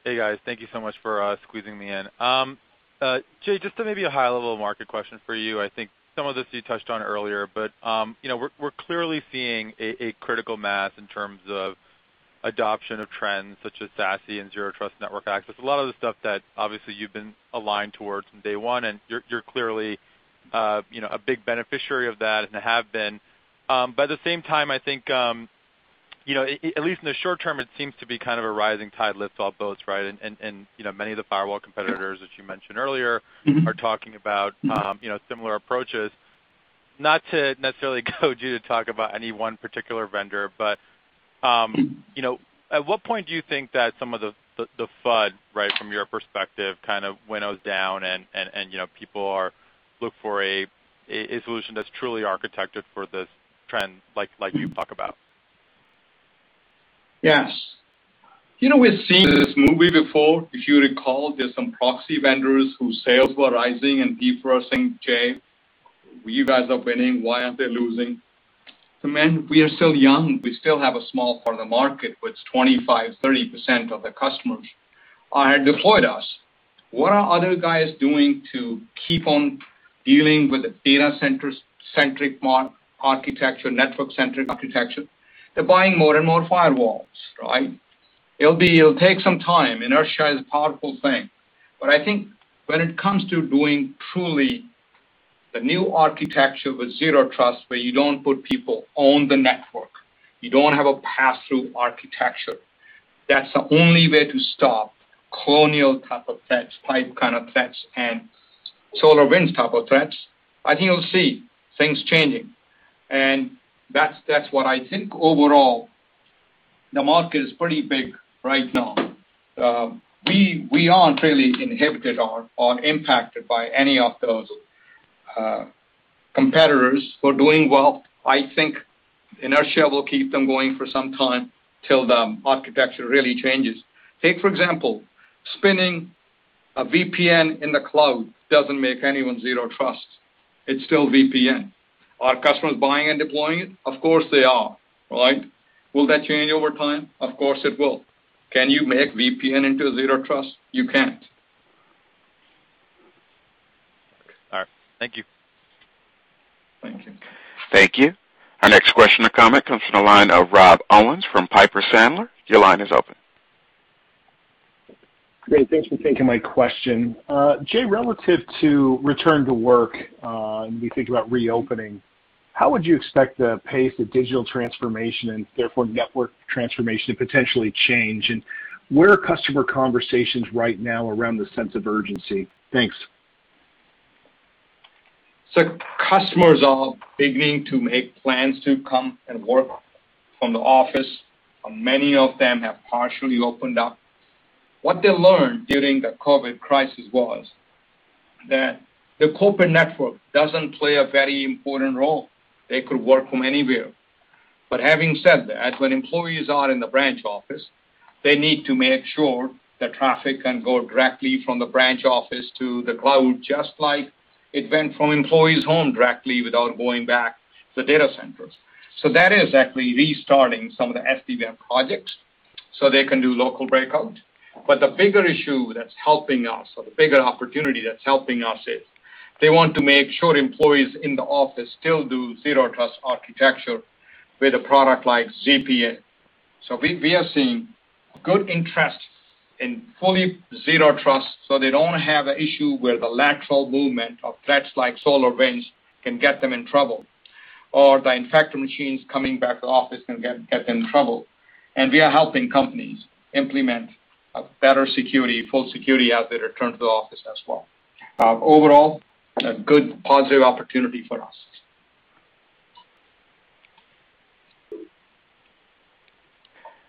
[SPEAKER 17] Hey, guys. Thank you so much for squeezing me in. Jay, just maybe a high-level market question for you. I think some of this you touched on earlier, but we're clearly seeing a critical mass in terms of adoption of trends such as SASE and Zero Trust network access, a lot of the stuff that obviously you've been aligned towards from day one, and you're clearly a big beneficiary of that and have been. At the same time, I think, at least in the short term, it seems to be a rising tide lifts all boats, right. Many of the firewall competitors, as you mentioned earlier, are talking about similar approaches. Not to necessarily go to you to talk about any one particular vendor, but at what point do you think that some of the FUD, from your perspective, kind of winnows down and people look for a solution that's truly architected for this trend like you talk about?
[SPEAKER 3] Yes. We've seen this movie before. If you recall, there's some proxy vendors whose sales were rising and people were saying, "Jay, you guys are winning. Why are they losing?" Remember, we are still young. We still have a small part of market with 25, 30% of the customers are deployed us. What are other guys doing to keep on dealing with a data centric mark architecture, network centric architecture? They're buying more and more firewalls, right? It'll take some time. Inertia is a powerful thing. I think when it comes to doing truly the new architecture with Zero Trust, where you don't put people on the network, you don't have a pass-through architecture. That's the only way to stop Colonial type of threats, pipe kind of threats, and SolarWinds type of threats. I think you'll see things changing. That's what I think overall, the market is pretty big right now. We aren't really inhibited or impacted by any of those competitors who are doing well. I think inertia will keep them going for some time till the architecture really changes. Take for example, spinning a VPN in the cloud doesn't make anyone Zero Trust. It's still VPN. Are customers buying and deploying it? Of course they are, right? Will that change over time? Of course it will. Can you make VPN into a Zero Trust? You can't.
[SPEAKER 17] All right. Thank you.
[SPEAKER 3] Thank you.
[SPEAKER 1] Thank you. Our next question comes from the line of Rob Owens from Piper Sandler. Your line is open.
[SPEAKER 18] Great. Thanks for taking my question. Jay, relative to return to work, when we think about reopening, how would you expect the pace of digital transformation and therefore network transformation to potentially change? Where are customer conversations right now around the sense of urgency? Thanks.
[SPEAKER 3] Customers are beginning to make plans to come and work from the office, and many of them have partially opened up. What they learned during the COVID crisis was that the corporate network doesn't play a very important role. They could work from anywhere. Having said that, when employees are in the branch office, they need to make sure the traffic can go directly from the branch office to the cloud, just like it went from employees home directly without going back to data centers. That is actually restarting some of the SD-WAN projects so they can do local breakout. The bigger issue that's helping us, or the bigger opportunity that's helping us, is they want to make sure employees in the office still do zero trust architecture with a product like ZPA. We are seeing good interest in fully zero trust, so they don't have an issue where the lateral movement of threats like SolarWinds can get them in trouble, or the infected machines coming back to the office can get them in trouble. We are helping companies implement a better security, full security as they return to the office as well. Overall, a good positive opportunity for us.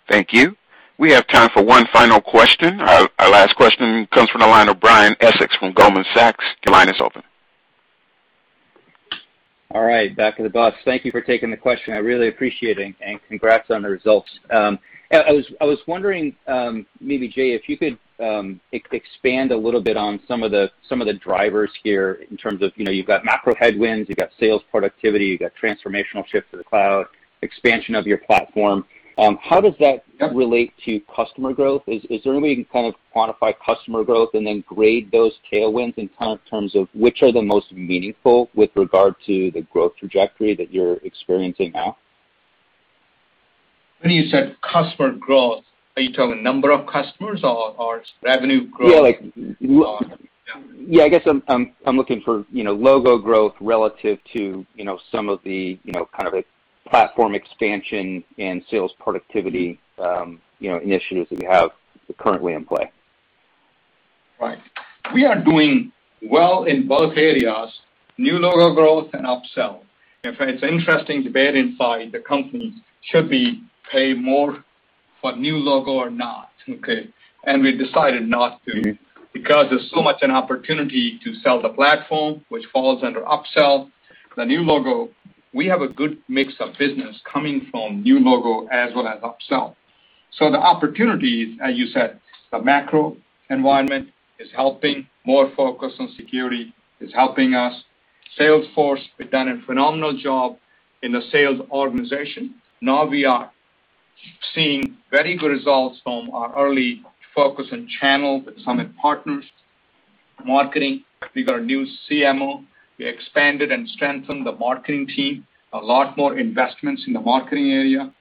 [SPEAKER 1] Thank you. We have time for one final question. Our last question comes from the line of Brian Essex from Goldman Sachs. Your line is open.
[SPEAKER 19] All right, back of the bus. Thank you for taking the question. I really appreciate it, and congrats on the results. I was wondering, maybe, Jay, if you could expand a little bit on some of the drivers here in terms of, you've got macro headwinds, you've got sales productivity, you've got transformational shift to the cloud, expansion of your platform. How does that relate to customer growth? Is there any way you can kind of quantify customer growth and then grade those tailwinds in terms of which are the most meaningful with regard to the growth trajectory that you're experiencing now?
[SPEAKER 3] When you said customer growth, are you talking number of customers or revenue growth?
[SPEAKER 19] Yeah, I guess I'm looking for logo growth relative to some of the kind of platform expansion and sales productivity initiatives that you have currently in play.
[SPEAKER 3] Right. We are doing well in both areas, new logo growth and upsell. In fact, it's an interesting debate inside the company, should we pay more for new logo or not, okay? We decided not to, because there's so much an opportunity to sell the platform, which falls under upsell. The new logo, we have a good mix of business coming from new logo as well as upsell. The opportunity, as you said, the macro environment is helping. More focus on security is helping us. Salesforce has done a phenomenal job in the sales organization. Now we are seeing very good results from our early focus and channel with some partners. Marketing, we got a new CMO. We expanded and strengthened the marketing team, a lot more investments in the marketing area.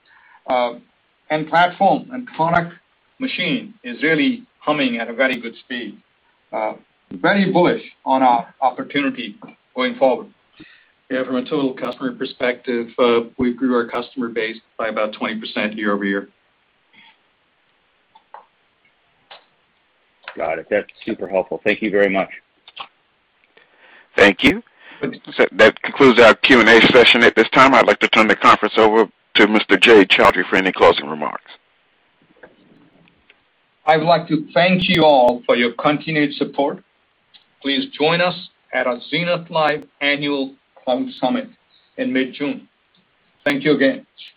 [SPEAKER 3] Platform and product machine is really humming at a very good speed. Very bullish on our opportunity going forward.
[SPEAKER 4] Yeah, from a total customer perspective, we grew our customer base by about 20% year-over-year.
[SPEAKER 19] Got it. That's super helpful. Thank you very much.
[SPEAKER 1] Thank you. That concludes our Q&A session. At this time, I'd like to turn the conference over to Mr. Jay Chaudhry for any closing remarks.
[SPEAKER 3] I would like to thank you all for your continued support. Please join us at our Zenith Live Annual Cloud Summit in mid-June. Thank you again.
[SPEAKER 4] Thank you.